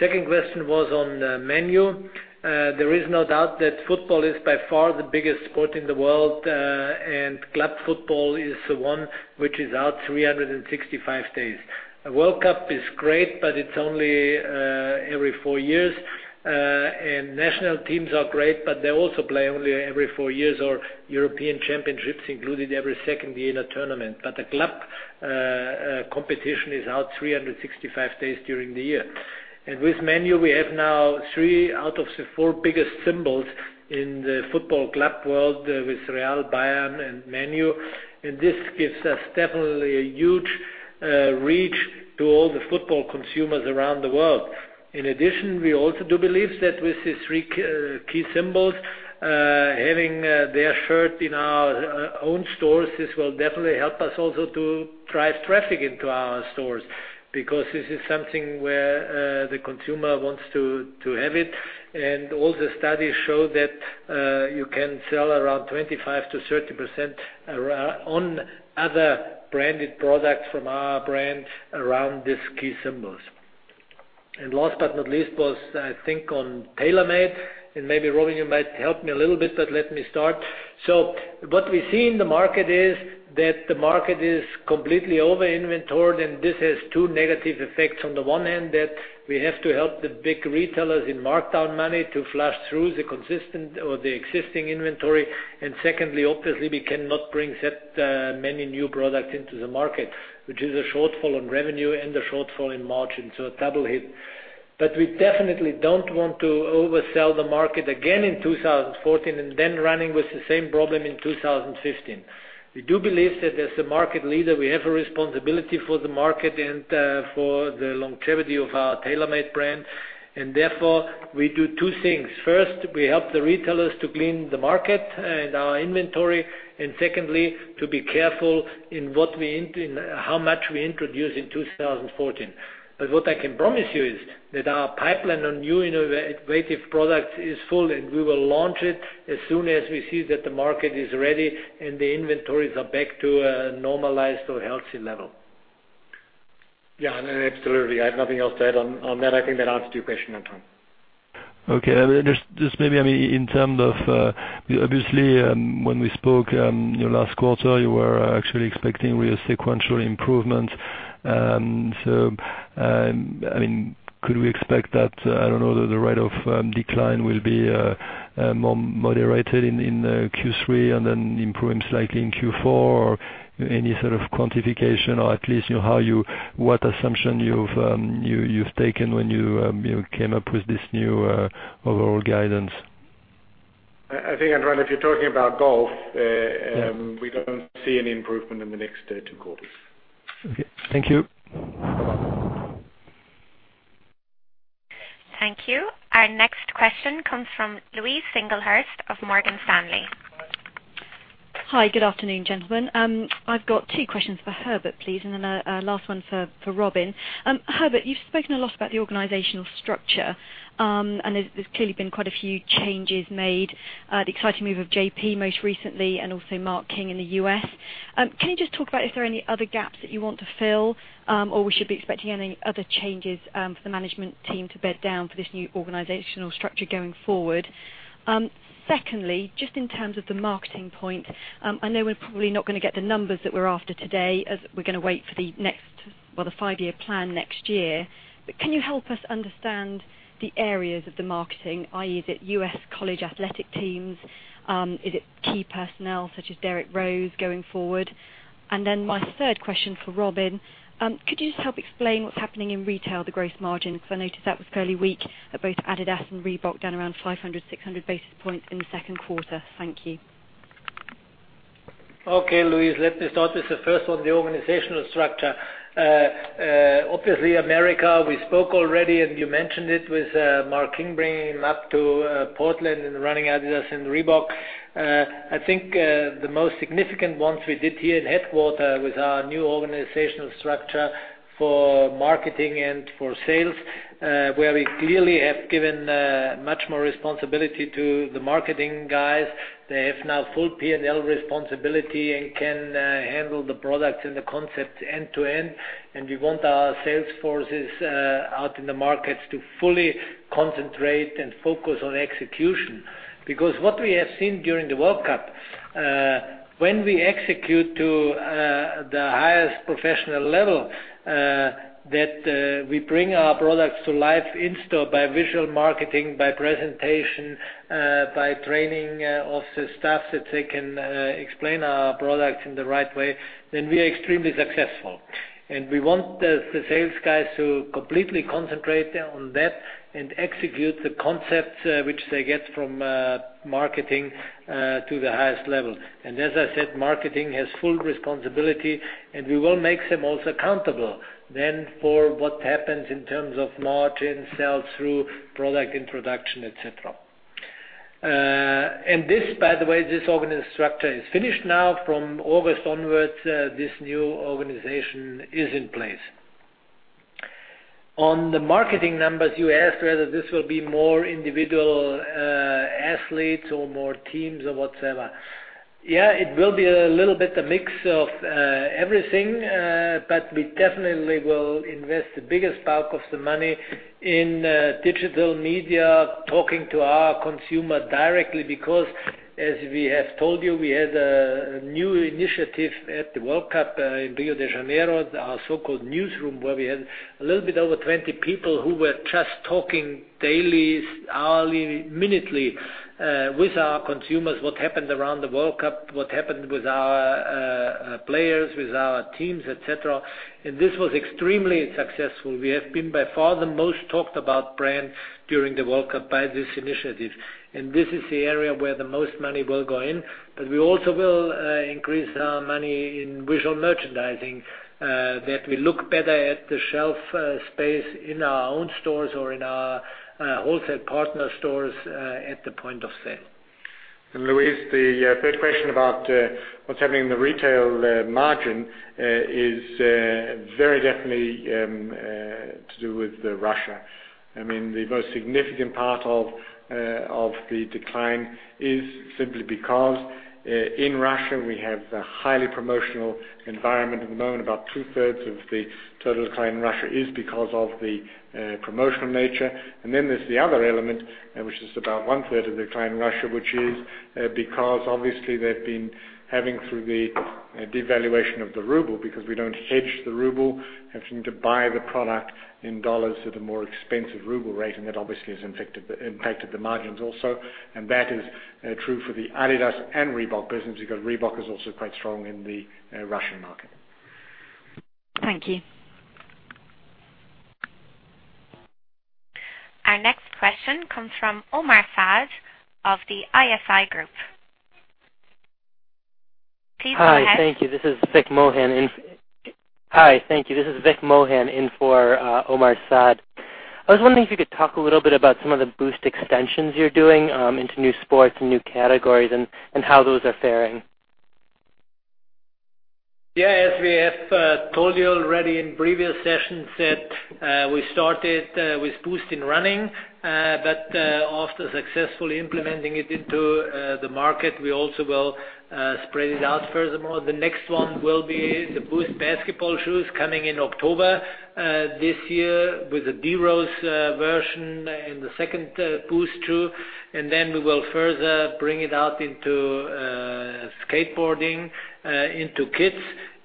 Second question was on Man U. There is no doubt that football is by far the biggest sport in the world, and club football is the one which is out 365 days. A World Cup is great, but it is only every four years. National teams are great, but they also play only every four years, or European championships included every second year in a tournament. A club competition is out 365 days during the year. With Man U, we have now three out of the four biggest symbols in the football club world with Real, Bayern, and Man U. This gives us definitely a huge reach to all the football consumers around the world. In addition, we also do believe that with these three key symbols, having their shirt in our own stores, this will definitely help us also to drive traffic into our stores, because this is something where the consumer wants to have it. All the studies show that you can sell around 25%-30% on other branded products from our brand around these key symbols. Last but not least was, I think, on TaylorMade, and maybe Robin, you might help me a little bit, but let me start. What we see in the market is that the market is completely over-inventoried, and this has two negative effects. On the one hand, that we have to help the big retailers in markdown money to flush through the existing inventory. Secondly, obviously, we cannot bring that many new products into the market, which is a shortfall on revenue and a shortfall in margin, so a double hit. We definitely don't want to oversell the market again in 2014 and then running with the same problem in 2015. We do believe that as a market leader, we have a responsibility for the market and for the longevity of our TaylorMade brand, and therefore, we do two things. First, we help the retailers to clean the market and our inventory, and secondly, to be careful in how much we introduce in 2014. What I can promise you is that our pipeline on new innovative products is full, and we will launch it as soon as we see that the market is ready and the inventories are back to a normalized or healthy level. Yeah, absolutely. I have nothing else to add on that. I think that answers your question, Antoine. Okay. Just maybe in terms of, obviously, when we spoke last quarter, you were actually expecting real sequential improvements. Could we expect that, I don't know, the rate of decline will be more moderated in Q3 and then improving slightly in Q4? Any sort of quantification, or at least what assumption you've taken when you came up with this new overall guidance? I think, Antoine, if you're talking about golf- Yeah we don't see any improvement in the next two quarters. Okay. Thank you. Bye-bye. Thank you. Our next question comes from Louise Singlehurst of Morgan Stanley. Hi. Good afternoon, gentlemen. I've got two questions for Herbert, please, and then a last one for Robin. Herbert, you've spoken a lot about the organizational structure. There's clearly been quite a few changes made. The exciting move of JP most recently, and also Mark King in the U.S. Can you just talk about if there are any other gaps that you want to fill? We should be expecting any other changes for the management team to bed down for this new organizational structure going forward? Secondly, just in terms of the marketing point, I know we're probably not going to get the numbers that we're after today as we're going to wait for the five-year plan next year. Can you help us understand the areas of the marketing, i.e., the U.S. college athletic teams? Is it key personnel such as Derrick Rose going forward? My third question for Robin, could you just help explain what's happening in retail, the gross margin? Because I noticed that was fairly weak at both adidas and Reebok, down around 500, 600 basis points in the second quarter. Thank you. Okay, Louise, let me start with the first one, the organizational structure. Obviously, America, we spoke already, and you mentioned it with Mark King, bringing him up to Portland and running adidas and Reebok. I think, the most significant ones we did here at headquarters with our new organizational structure for marketing and for sales, where we clearly have given much more responsibility to the marketing guys. They have now full P&L responsibility and can handle the product and the concept end to end. We want our sales forces out in the markets to fully concentrate and focus on execution. What we have seen during the World Cup, when we execute to the highest professional level, that we bring our products to life in-store by visual marketing, by presentation, by training of the staff that they can explain our products in the right way, then we are extremely successful. We want the sales guys to completely concentrate on that and execute the concepts which they get from marketing to the highest level. As I said, marketing has full responsibility, and we will make them also accountable then for what happens in terms of margin, sell-through, product introduction, et cetera. This, by the way, this organizational structure is finished now. From August onwards, this new organization is in place. On the marketing numbers, you asked whether this will be more individual athletes or more teams or whatever. It will be a little bit a mix of everything. We definitely will invest the biggest bulk of the money in digital media, talking to our consumer directly. As we have told you, we had a new initiative at the World Cup in Rio de Janeiro, our so-called newsroom, where we had a little bit over 20 people who were just talking daily, hourly, minutely, with our consumers, what happened around the World Cup, what happened with our players, with our teams, et cetera. This was extremely successful. We have been by far the most talked about brand during the World Cup by this initiative. This is the area where the most money will go in. We also will increase our money in visual merchandising, that we look better at the shelf space in our own stores or in our wholesale partner stores at the point of sale. Louise, the third question about what's happening in the retail margin is very definitely to do with Russia. The most significant part of the decline is simply because in Russia, we have a highly promotional environment at the moment. About two-thirds of the total decline in Russia is because of the promotional nature. Then there's the other element, which is about one-third of the decline in Russia, which is because obviously they've been having through the devaluation of the ruble, because we don't hedge the ruble, having to buy the product in dollars at a more expensive ruble rate, and that obviously has impacted the margins also. That is true for the adidas and Reebok business, because Reebok is also quite strong in the Russian market. Thank you. Our next question comes from Omar Saad of the ISI Group. Please go ahead. Hi. Thank you. This is Vick Mohan in for Omar Saad. I was wondering if you could talk a little bit about some of the Boost extensions you're doing into new sports and new categories, and how those are faring. We have told you already in previous sessions that we started with Boost in running. After successfully implementing it into the market, we also will spread it out furthermore. The next one will be the Boost basketball shoes coming in October this year with the D Rose version and the second Boost shoe. We will further bring it out into skateboarding, into kids,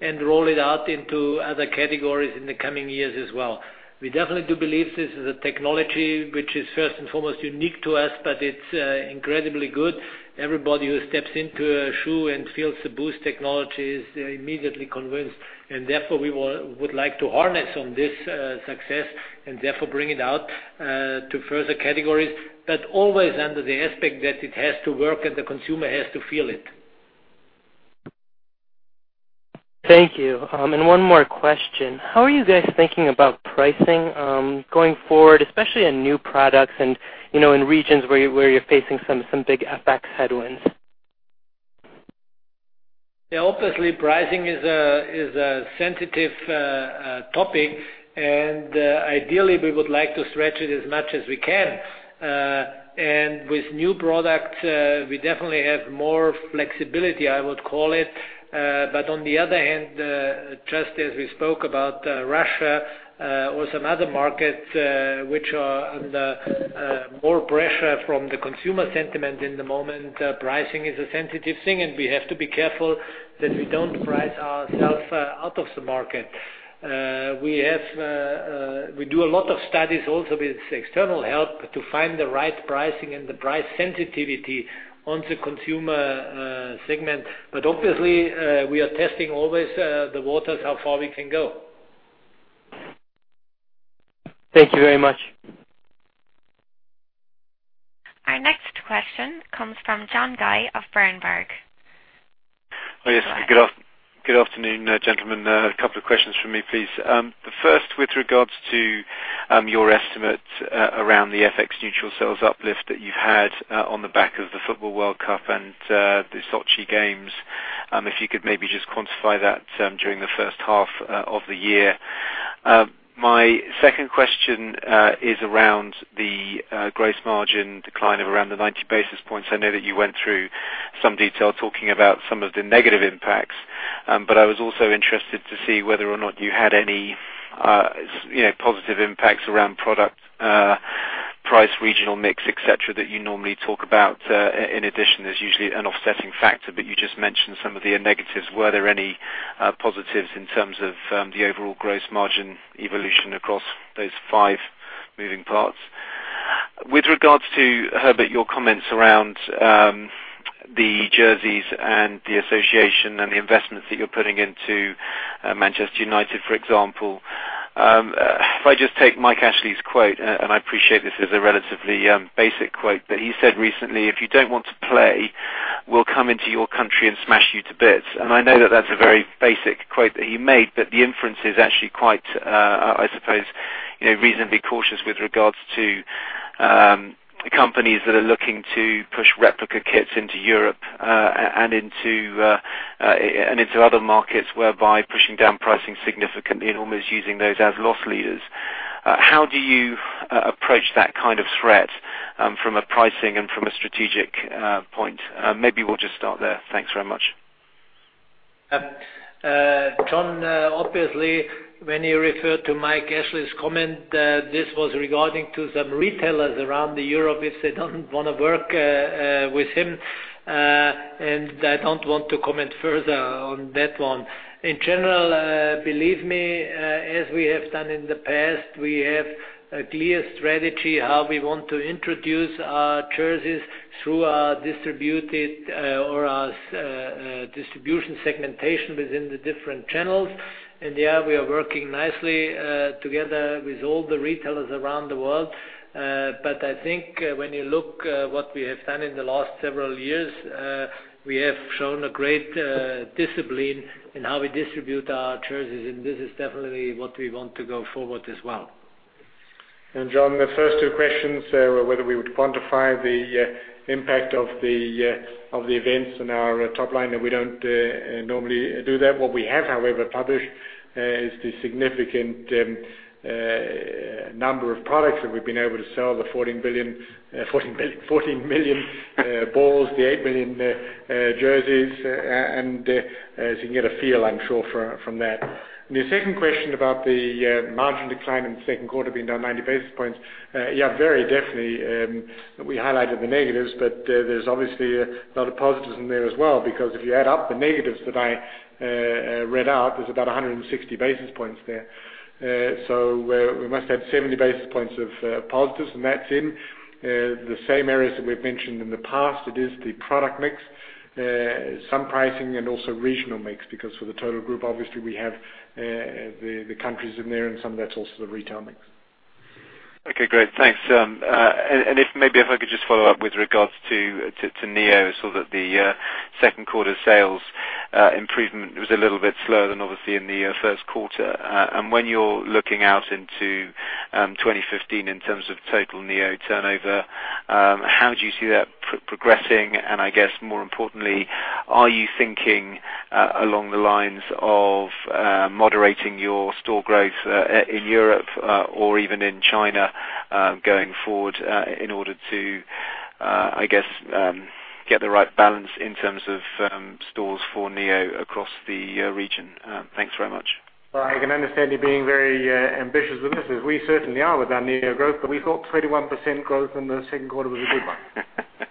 and roll it out into other categories in the coming years as well. We definitely do believe this is a technology which is first and foremost unique to us, but it's incredibly good. Everybody who steps into a shoe and feels the Boost technology is immediately convinced, and therefore, we would like to harness on this success and therefore bring it out to further categories. Always under the aspect that it has to work, and the consumer has to feel it. Thank you. One more question. How are you guys thinking about pricing going forward, especially on new products and in regions where you're facing some big FX headwinds? Obviously, pricing is a sensitive topic, ideally, we would like to stretch it as much as we can. With new products, we definitely have more flexibility, I would call it. On the other hand, just as we spoke about Russia or some other markets which are under more pressure from the consumer sentiment in the moment, pricing is a sensitive thing, and we have to be careful that we don't price ourselves out of the market. We do a lot of studies also with external help to find the right pricing and the price sensitivity on the consumer segment. Obviously, we are testing always the waters, how far we can go. Thank you very much. Our next question comes from John Guy of Berenberg. Yes. Good afternoon, gentlemen. A couple of questions from me, please. The first with regards to your estimate around the FX neutral sales uplift that you've had on the back of the Football World Cup and the Sochi games. If you could maybe just quantify that during the first half of the year. My second question is around the gross margin decline of around the 90 basis points. I know that you went through some detail talking about some of the negative impacts, but I was also interested to see whether or not you had any positive impacts around product price, regional mix, et cetera, that you normally talk about. In addition, there's usually an offsetting factor, but you just mentioned some of the negatives. Were there any positives in terms of the overall gross margin evolution across those five moving parts? With regards to, Herbert, your comments around the jerseys and the association and the investments that you're putting into Manchester United, for example. If I just take Mike Ashley's quote, and I appreciate this is a relatively basic quote, but he said recently, "If you don't want to play, we'll come into your country and smash you to bits." I know that that's a very basic quote that he made, but the inference is actually quite, I suppose, reasonably cautious with regards to companies that are looking to push replica kits into Europe and into other markets, whereby pushing down pricing significantly and almost using those as loss leaders. How do you approach that kind of threat from a pricing and from a strategic point? Maybe we'll just start there. Thanks very much. John, obviously, when you refer to Mike Ashley's comment, this was regarding to some retailers around the Europe if they don't want to work with him, I don't want to comment further on that one. In general, believe me, as we have done in the past, we have a clear strategy how we want to introduce our jerseys through our distribution segmentation within the different channels. Yeah, we are working nicely together with all the retailers around the world. I think when you look what we have done in the last several years, we have shown a great discipline in how we distribute our jerseys, this is definitely what we want to go forward as well. John, the first two questions, whether we would quantify the impact of the events on our top line, that we don't normally do that. What we have, however, published is the significant number of products that we've been able to sell, the 14 million balls, the eight million jerseys, as you can get a feel, I'm sure from that. Your second question about the margin decline in the second quarter being down 90 basis points. Yeah, very definitely, we highlighted the negatives, there's obviously a lot of positives in there as well, because if you add up the negatives that I read out, there's about 160 basis points there. We must have 70 basis points of positives, that's in the same areas that we've mentioned in the past. It is the product mix, some pricing, also regional mix, because for the total group, obviously we have the countries in there, some of that's also the retail mix. Okay, great. Thanks. If maybe I could just follow up with regards to Neo, saw that the second quarter sales improvement was a little bit slower than, obviously, in the first quarter. When you're looking out into 2015 in terms of total Neo turnover, how do you see that progressing? I guess more importantly, are you thinking along the lines of moderating your store growth in Europe or even in China going forward in order to get the right balance in terms of stores for Neo across the region? Thanks very much. I can understand you being very ambitious with this, as we certainly are with our Neo growth, but we thought 21% growth in the second quarter was a good one. Well,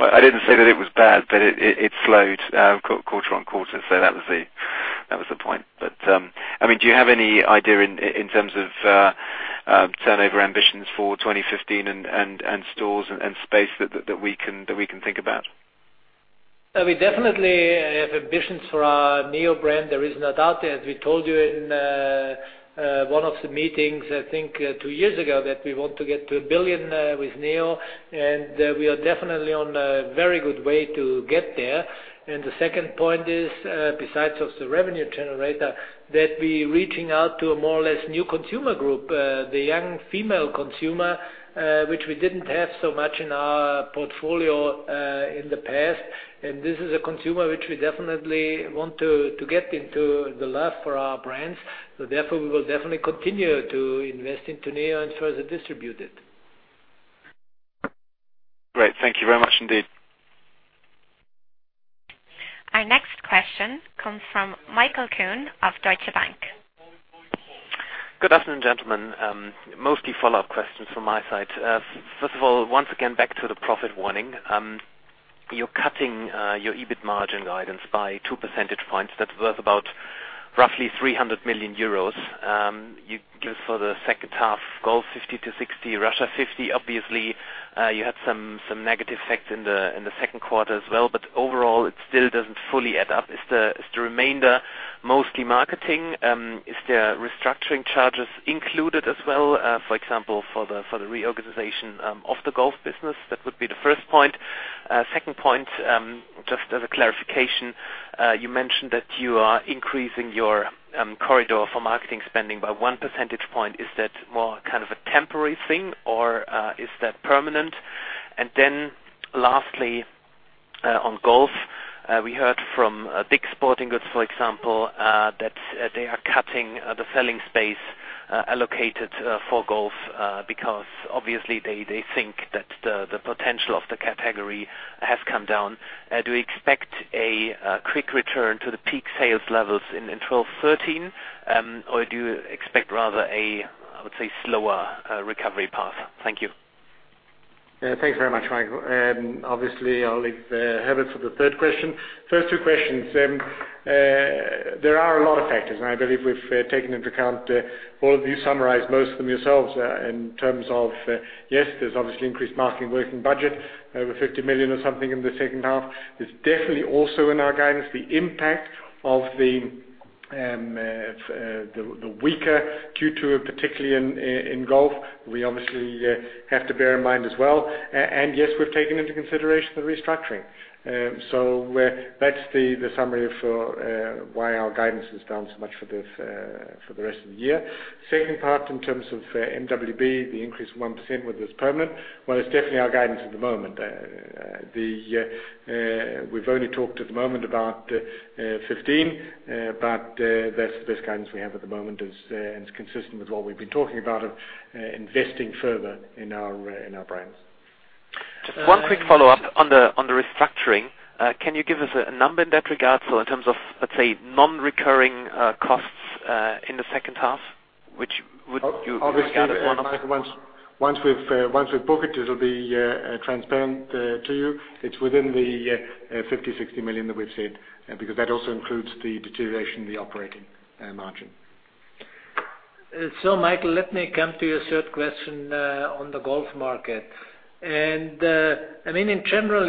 I didn't say that it was bad, but it slowed quarter-over-quarter, so that was the point. Do you have any idea in terms of turnover ambitions for 2015 and stores and space that we can think about? We definitely have ambitions for our Neo brand. There is no doubt there. As we told you in one of the meetings, I think two years ago, that we want to get to 1 billion with Neo, and we are definitely on a very good way to get there. The second point is, besides as the revenue generator, that we reaching out to a more or less new consumer group, the young female consumer, which we didn't have so much in our portfolio in the past. This is a consumer which we definitely want to get into the love for our brands. Therefore, we will definitely continue to invest into Neo and further distribute it. Great. Thank you very much indeed. Our next question comes from Michael Kuhn of Deutsche Bank. Good afternoon, gentlemen. Mostly follow-up questions from my side. First of all, once again, back to the profit warning. You are cutting your EBIT margin guidance by two percentage points. That's worth about roughly 300 million euros. You give us for the second half, Golf 50 to 60, Russia 50. Obviously, you had some negative effects in the second quarter as well, but overall, it still doesn't fully add up. Is the remainder mostly marketing? Is there restructuring charges included as well, for example, for the reorganization of the Golf business? That would be the first point. Second point, just as a clarification, you mentioned that you are increasing your corridor for marketing spending by one percentage point. Is that more kind of a temporary thing or is that permanent? Lastly, on Golf, we heard from Dick's Sporting Goods, for example, that they are cutting the selling space allocated for Golf because obviously they think that the potential of the category has come down. Do you expect a quick return to the peak sales levels in 2012, 2013? Or do you expect rather a, I would say slower recovery path? Thank you. Thanks very much, Michael. Obviously, I'll leave Herbert for the third question. First two questions. There are a lot of factors, I believe we've taken into account all of these. You summarized most of them yourselves in terms of, yes, there's obviously increased marketing working budget, over 50 million or something in the second half. It's definitely also in our guidance, the impact of the weaker Q2, particularly in Golf. We obviously have to bear in mind as well. Yes, we've taken into consideration the restructuring. That's the summary for why our guidance is down so much for the rest of the year. Second part, in terms of MWB, the increase of 1% whether it's permanent. Well, it's definitely our guidance at the moment. We've only talked at the moment about 2015. That's the best guidance we have at the moment and it's consistent with what we've been talking about of investing further in our brands. Just one quick follow-up on the restructuring. Can you give us a number in that regard? In terms of, let's say, non-recurring costs in the second half, which would you regard as. Obviously, Michael, once we've booked it'll be transparent to you. It's within the 50 million-60 million that we've said, because that also includes the deterioration in the operating margin. Michael, let me come to your third question on the Golf market. In general,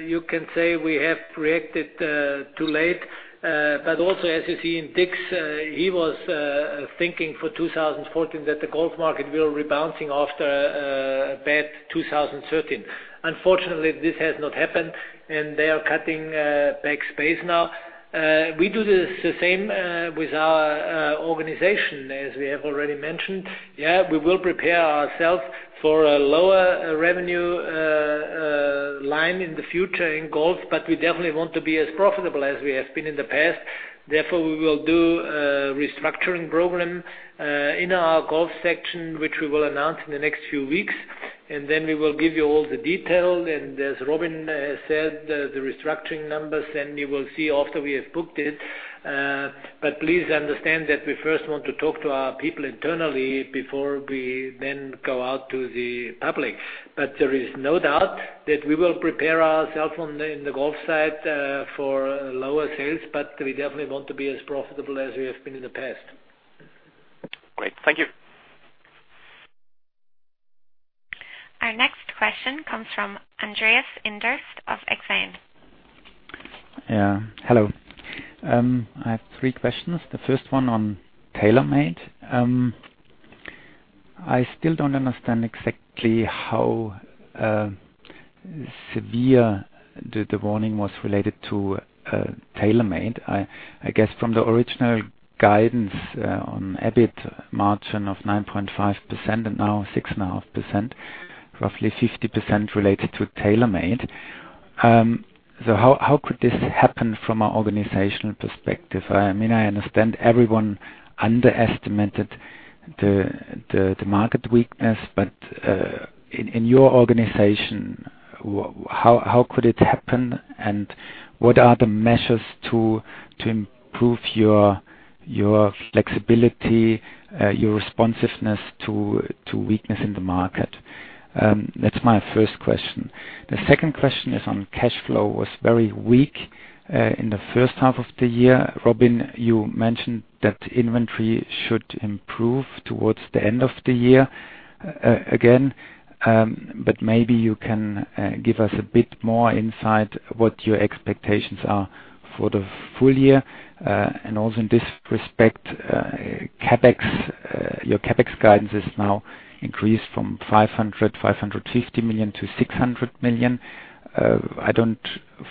you can say we have reacted too late. Also, as you see in Dick's, he was thinking for 2014 that the Golf market will rebounded after a bad 2013. Unfortunately, this has not happened, and they are cutting back space now. We do the same with our organization, as we have already mentioned. We will prepare ourselves for a lower revenue line in the future in Golf. We definitely want to be as profitable as we have been in the past. Therefore, we will do a restructuring program in our Golf section, which we will announce in the next few weeks. Then we will give you all the detail, and as Robin has said, the restructuring numbers. You will see after we have booked it. Please understand that we first want to talk to our people internally before we then go out to the public. There is no doubt that we will prepare ourselves on the Golf side for lower sales, but we definitely want to be as profitable as we have been in the past. Great. Thank you. Our next question comes from Andreas Enders of Exane. Hello. I have three questions. The first one on TaylorMade. I still don't understand exactly how severe the warning was related to TaylorMade. I guess from the original guidance on EBIT margin of 9.5% and now 6.5%, roughly 50% related to TaylorMade. How could this happen from an organizational perspective? I understand everyone underestimated the market weakness, in your organization, how could it happen, and what are the measures to improve your flexibility, your responsiveness to weakness in the market? That's my first question. The second question is on cash flow was very weak in the first half of the year. Robin, you mentioned that inventory should improve towards the end of the year again. Maybe you can give us a bit more insight what your expectations are for the full year. Also in this respect, your CapEx guidance is now increased from 500 million-550 million to 600 million. I don't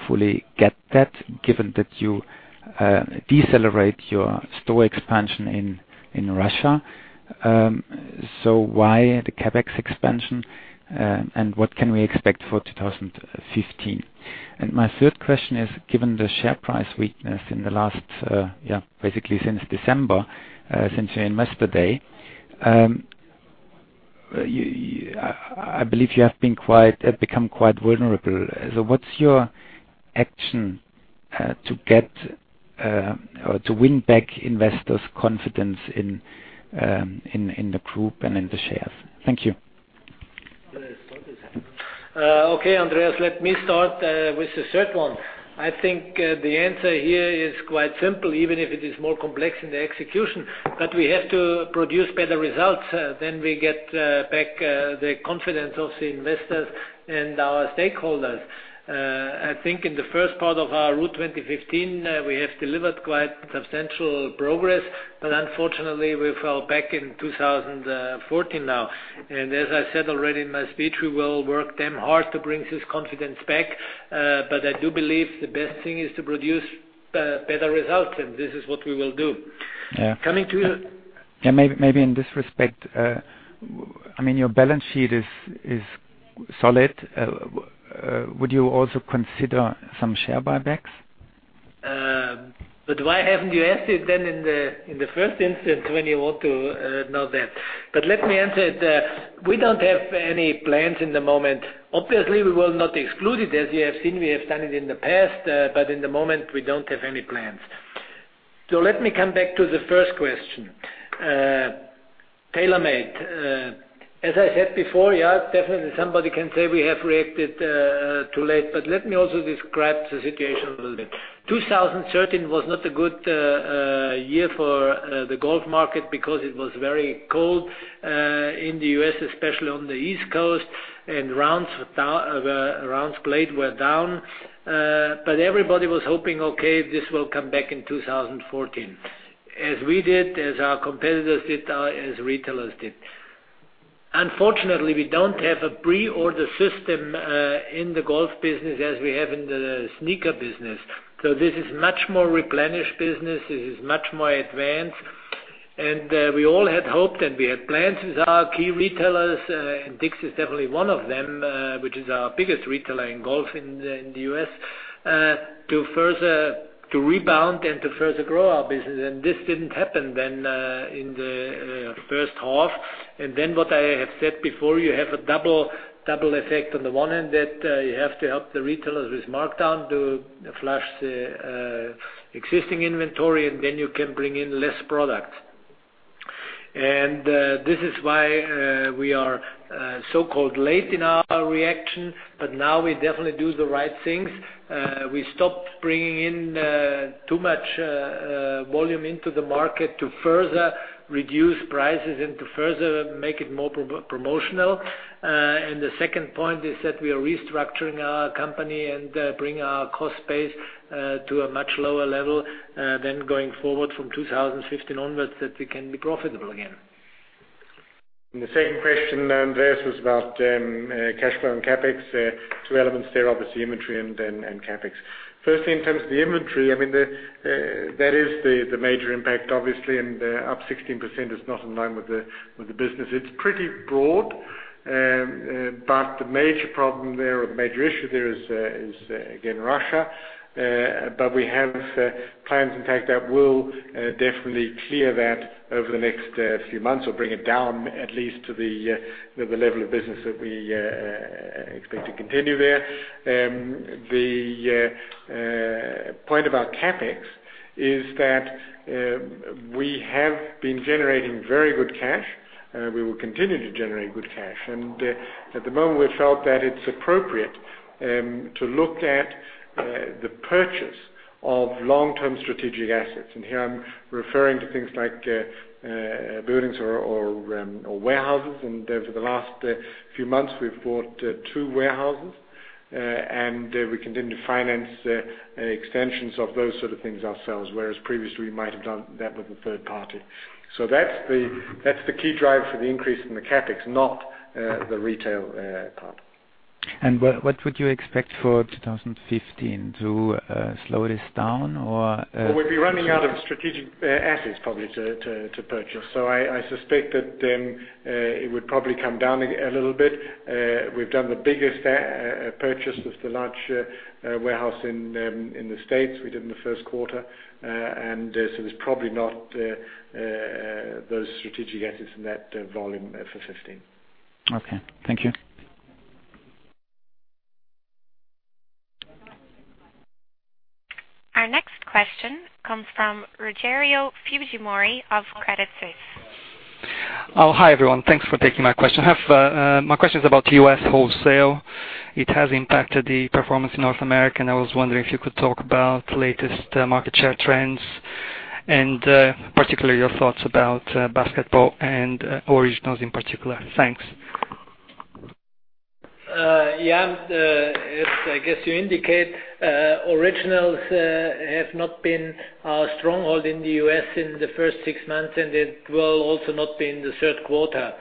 fully get that given that you decelerate your store expansion in Russia. Why the CapEx expansion, and what can we expect for 2015? My third question is, given the share price weakness in the last, basically since December, since your Investor Day. I believe you have become quite vulnerable. What's your action to win back investors' confidence in the group and in the shares? Thank you. Okay, Andreas, let me start with the third one. I think the answer here is quite simple, even if it is more complex in the execution. We have to produce better results, then we get back the confidence of the investors and our stakeholders. I think in the first part of our Route 2015, we have delivered quite substantial progress, unfortunately, we fell back in 2014 now. As I said already in my speech, we will work damn hard to bring this confidence back, I do believe the best thing is to produce better results, and this is what we will do. Yeah. Coming to the- Yeah, maybe in this respect, your balance sheet is solid. Would you also consider some share buybacks? Why haven't you asked it then in the first instance when you want to know that? Let me answer it. We don't have any plans in the moment. Obviously, we will not exclude it. As you have seen, we have done it in the past, but at the moment, we don't have any plans. Let me come back to the first question. TaylorMade. As I said before, yeah, definitely somebody can say we have reacted too late, but let me also describe the situation a little bit. 2013 was not a good year for the golf market because it was very cold in the U.S., especially on the East Coast, and rounds played were down. Everybody was hoping, okay, this will come back in 2014. As we did, as our competitors did, as retailers did. Unfortunately, we don't have a pre-order system in the golf business as we have in the sneaker business. This is much more replenished business. This is much more advanced. We all had hoped, and we had plans with our key retailers, and Dick's is definitely one of them, which is our biggest retailer in golf in the U.S., to rebound and to further grow our business. This didn't happen then in the first half. What I have said before, you have a double effect. On the one hand, that you have to help the retailers with markdown to flush the existing inventory, and you can bring in less product. This is why we are so-called late in our reaction, but now we definitely do the right things. We stopped bringing in too much volume into the market to further reduce prices and to further make it more promotional. The second point is that we are restructuring our company and bringing our cost base to a much lower level than going forward from 2015 onwards, that we can be profitable again. The second question, Andreas, was about cash flow and CapEx. Two elements there, obviously, inventory and then CapEx. Firstly, in terms of the inventory, that is the major impact, obviously, and up 16% is not in line with the business. It's pretty broad. The major problem there or the major issue there is, again, Russia. We have plans, in fact, that will definitely clear that over the next few months or bring it down at least to the level of business that we expect to continue there. The point about CapEx is that we have been generating very good cash. We will continue to generate good cash. At the moment, we felt that it's appropriate to look at the purchase of long-term strategic assets. Here I'm referring to things like buildings or warehouses. For the last few months, we've bought two warehouses. We continue to finance extensions of those sort of things ourselves, whereas previously, we might have done that with a third party. That's the key driver for the increase in the CapEx, not the retail part. What would you expect for 2015? To slow this down? Well, we'd be running out of strategic assets, probably, to purchase. I suspect that it would probably come down a little bit. We've done the biggest purchase with the large warehouse in the U.S. we did in the first quarter. There's probably not those strategic assets in that volume for 2015. Okay. Thank you. Our next question comes from Rogerio Fujimori of Credit Suisse. Hi, everyone. Thanks for taking my question. My question is about U.S. wholesale. It has impacted the performance in North America, I was wondering if you could talk about latest market share trends and particularly your thoughts about basketball and Originals in particular. Thanks. Yeah. As I guess you indicate, Originals have not been our stronghold in the U.S. in the first six months, it will also not be in the third quarter.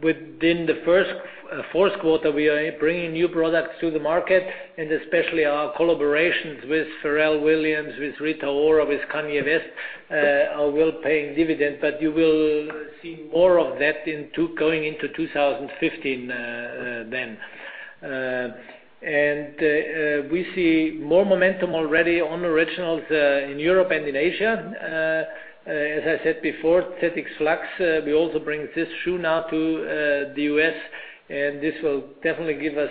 Within the fourth quarter, we are bringing new products to the market, and especially our collaborations with Pharrell Williams, with Rita Ora, with Kanye West, are well paying dividend. You will see more of that going into 2015 then. We see more momentum already on Originals in Europe and in Asia. As I said before, ZX Flux, we also bring this shoe now to the U.S. and this will definitely give us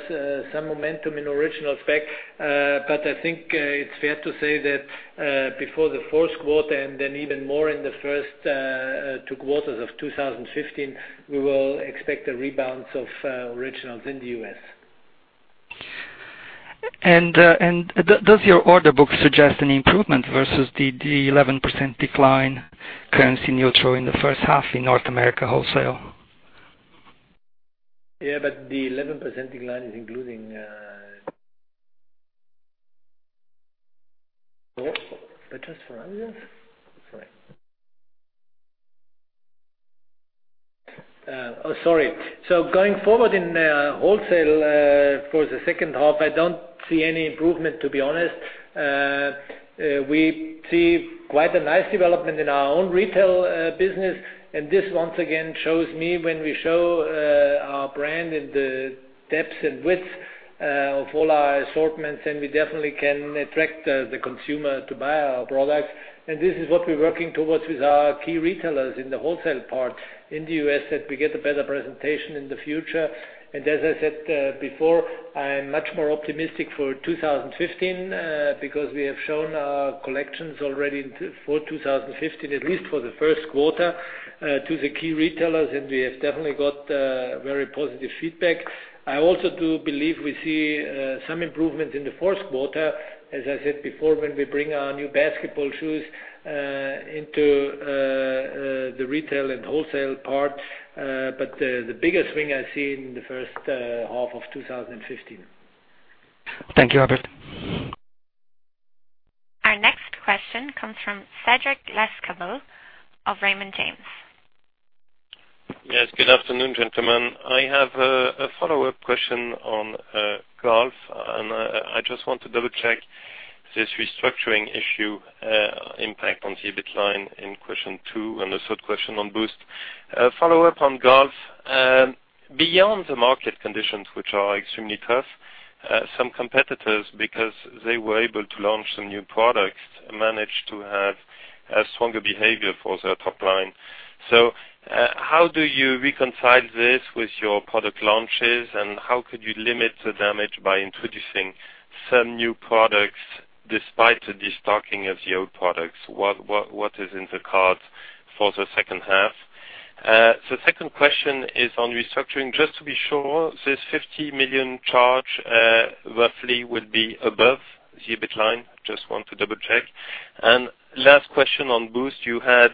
some momentum in Originals back. I think it's fair to say that before the fourth quarter and then even more in the first two quarters of 2015, we will expect a rebound of Originals in the U.S. Does your order book suggest an improvement versus the 11% decline currency neutral in the first half in North America wholesale? The 11% decline is including Oh, sorry. Going forward in wholesale for the second half, I don't see any improvement, to be honest. We see quite a nice development in our own retail business, and this once again shows me when we show our brand and the depth and width of all our assortments, then we definitely can attract the consumer to buy our products. This is what we're working towards with our key retailers in the wholesale part in the U.S., that we get a better presentation in the future. As I said before, I am much more optimistic for 2015 because we have shown our collections already for 2015, at least for the first quarter, to the key retailers, and we have definitely got very positive feedback. I also do believe we see some improvement in the fourth quarter, as I said before, when we bring our new basketball shoes into the retail and wholesale part. The biggest win I see in the first half of 2015. Thank you, Herbert. Our next question comes from Cédric Lecasble of Raymond James. Yes. Good afternoon, gentlemen. I have a follow-up question on golf, and I just want to double check this restructuring issue impact on the EBIT line in question 2, and the third question on Boost. A follow-up on golf. Beyond the market conditions, which are extremely tough, some competitors, because they were able to launch some new products, managed to have a stronger behavior for their top line. How do you reconcile this with your product launches, and how could you limit the damage by introducing some new products despite the destocking of the old products? What is in the cards for the second half? The second question is on restructuring, just to be sure, this 50 million charge roughly will be above the EBIT line? Just want to double check. Last question on Boost, you had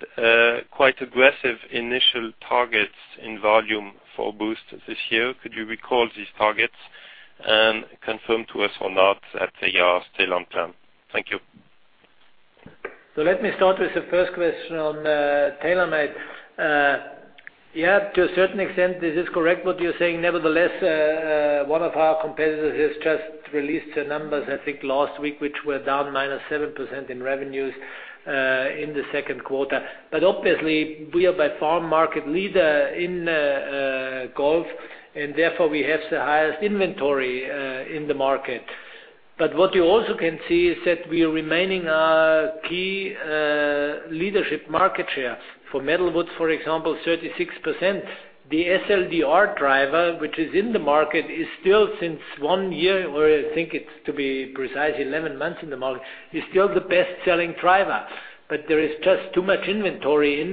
quite aggressive initial targets in volume for Boost this year. Could you recall these targets and confirm to us or not that they are still on plan? Thank you. Let me start with the first question on TaylorMade. Yeah, to a certain extent, this is correct what you're saying. Nevertheless, one of our competitors has just released their numbers, I think, last week, which were down -7% in revenues in the second quarter. Obviously, we are by far market leader in golf, and therefore we have the highest inventory in the market. What you also can see is that we are remaining a key leadership market share. For metal woods, for example, 36%. The SLDR driver, which is in the market, is still since one year, or I think it's to be precise, 11 months in the market, is still the best-selling driver. There is just too much inventory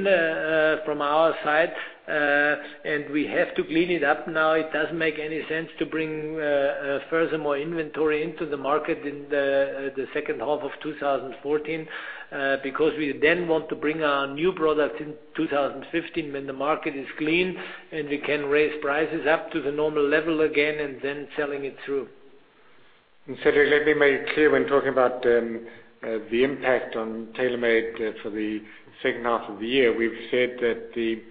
from our side, and we have to clean it up now. It doesn't make any sense to bring furthermore inventory into the market in the second half of 2014, because we then want to bring our new product in 2015 when the market is clean, and we can raise prices up to the normal level again and then selling it through. Cédric, let me make it clear when talking about the impact on TaylorMade for the second half of the year. We've said that the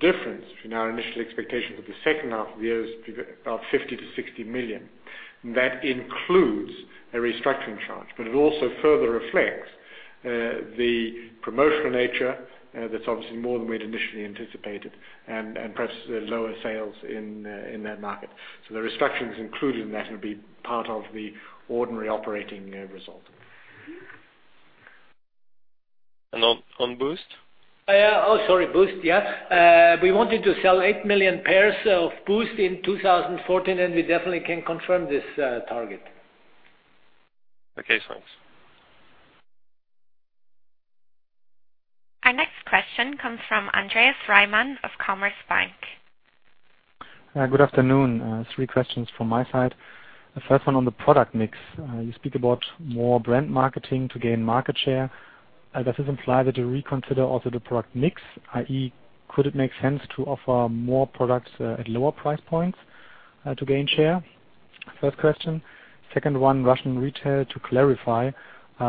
difference from our initial expectations of the second half of the year is about 50 million to 60 million. That includes a restructuring charge, but it also further reflects the promotional nature that's obviously more than we'd initially anticipated and perhaps the lower sales in that market. The restructuring is included in that and will be part of the ordinary operating result. On Boost? Oh, sorry. Boost, yes. We wanted to sell 8 million pairs of Boost in 2014. We definitely can confirm this target. Okay, thanks. Our next question comes from Andreas Reimann of Commerzbank. Good afternoon. Three questions from my side. The first one on the product mix. You speak about more brand marketing to gain market share. Does this imply that you reconsider also the product mix, i.e., could it make sense to offer more products at lower price points to gain share? First question. Second one, Russian retail. To clarify,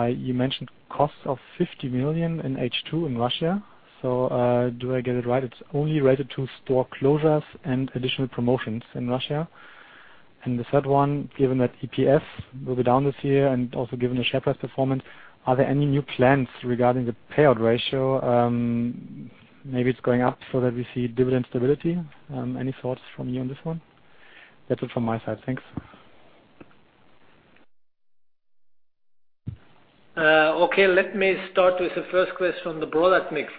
you mentioned costs of 50 million in H2 in Russia. Do I get it right? It's only related to store closures and additional promotions in Russia. The third one, given that EPS will be down this year and also given the share price performance, are there any new plans regarding the payout ratio? Maybe it's going up so that we see dividend stability. Any thoughts from you on this one? That's it from my side. Thanks. Okay. Let me start with the first question on the product mix.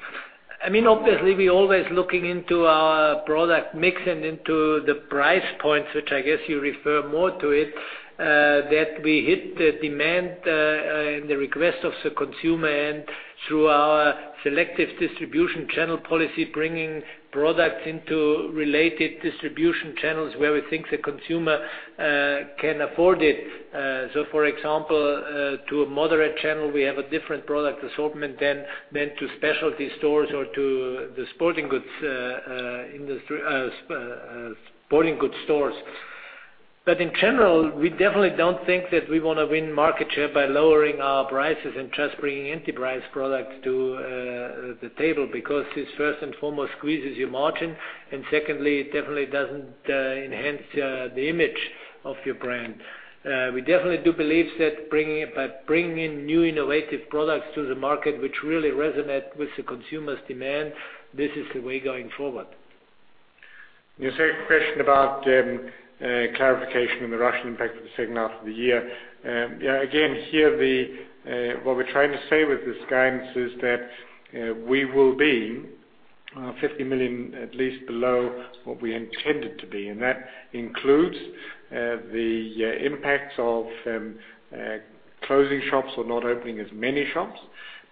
Obviously, we're always looking into our product mix and into the price points, which I guess you refer more to it, that we hit the demand and the request of the consumer and through our selective distribution channel policy, bringing products into related distribution channels where we think the consumer can afford it. For example, to a moderate channel, we have a different product assortment than to specialty stores or to the sporting goods stores. In general, we definitely don't think that we want to win market share by lowering our prices and just bringing entry-price products to the table, because this first and foremost squeezes your margin, and secondly, it definitely doesn't enhance the image of your brand. We definitely do believe that by bringing in new innovative products to the market, which really resonate with the consumer's demand, this is the way going forward. Your second question about clarification on the Russian impact for the second half of the year. Again, here, what we're trying to say with this guidance is that we will be 50 million at least below what we intended to be, and that includes the impacts of closing shops or not opening as many shops.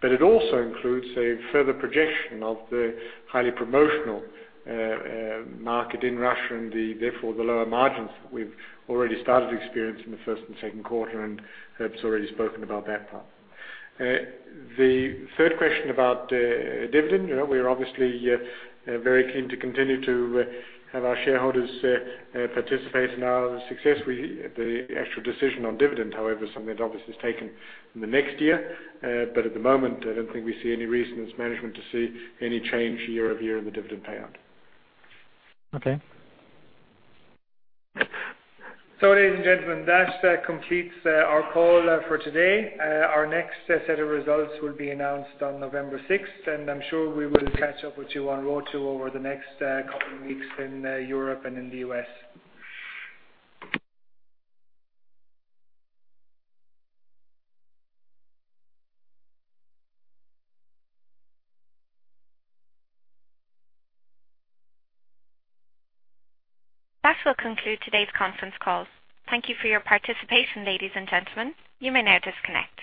It also includes a further projection of the highly promotional market in Russia and therefore the lower margins that we've already started to experience in the first and second quarter, and Herb's already spoken about that part. The third question about dividend. We are obviously very keen to continue to have our shareholders participate in our success. The actual decision on dividend, however, is something that obviously is taken in the next year. At the moment, I don't think we see any reason as management to see any change year-over-year in the dividend payout. Okay. Ladies and gentlemen, that completes our call for today. Our next set of results will be announced on November 6th, and I'm sure we will catch up with you on roadshow over the next couple of weeks in Europe and in the U.S. That will conclude today's conference call. Thank you for your participation, ladies and gentlemen. You may now disconnect.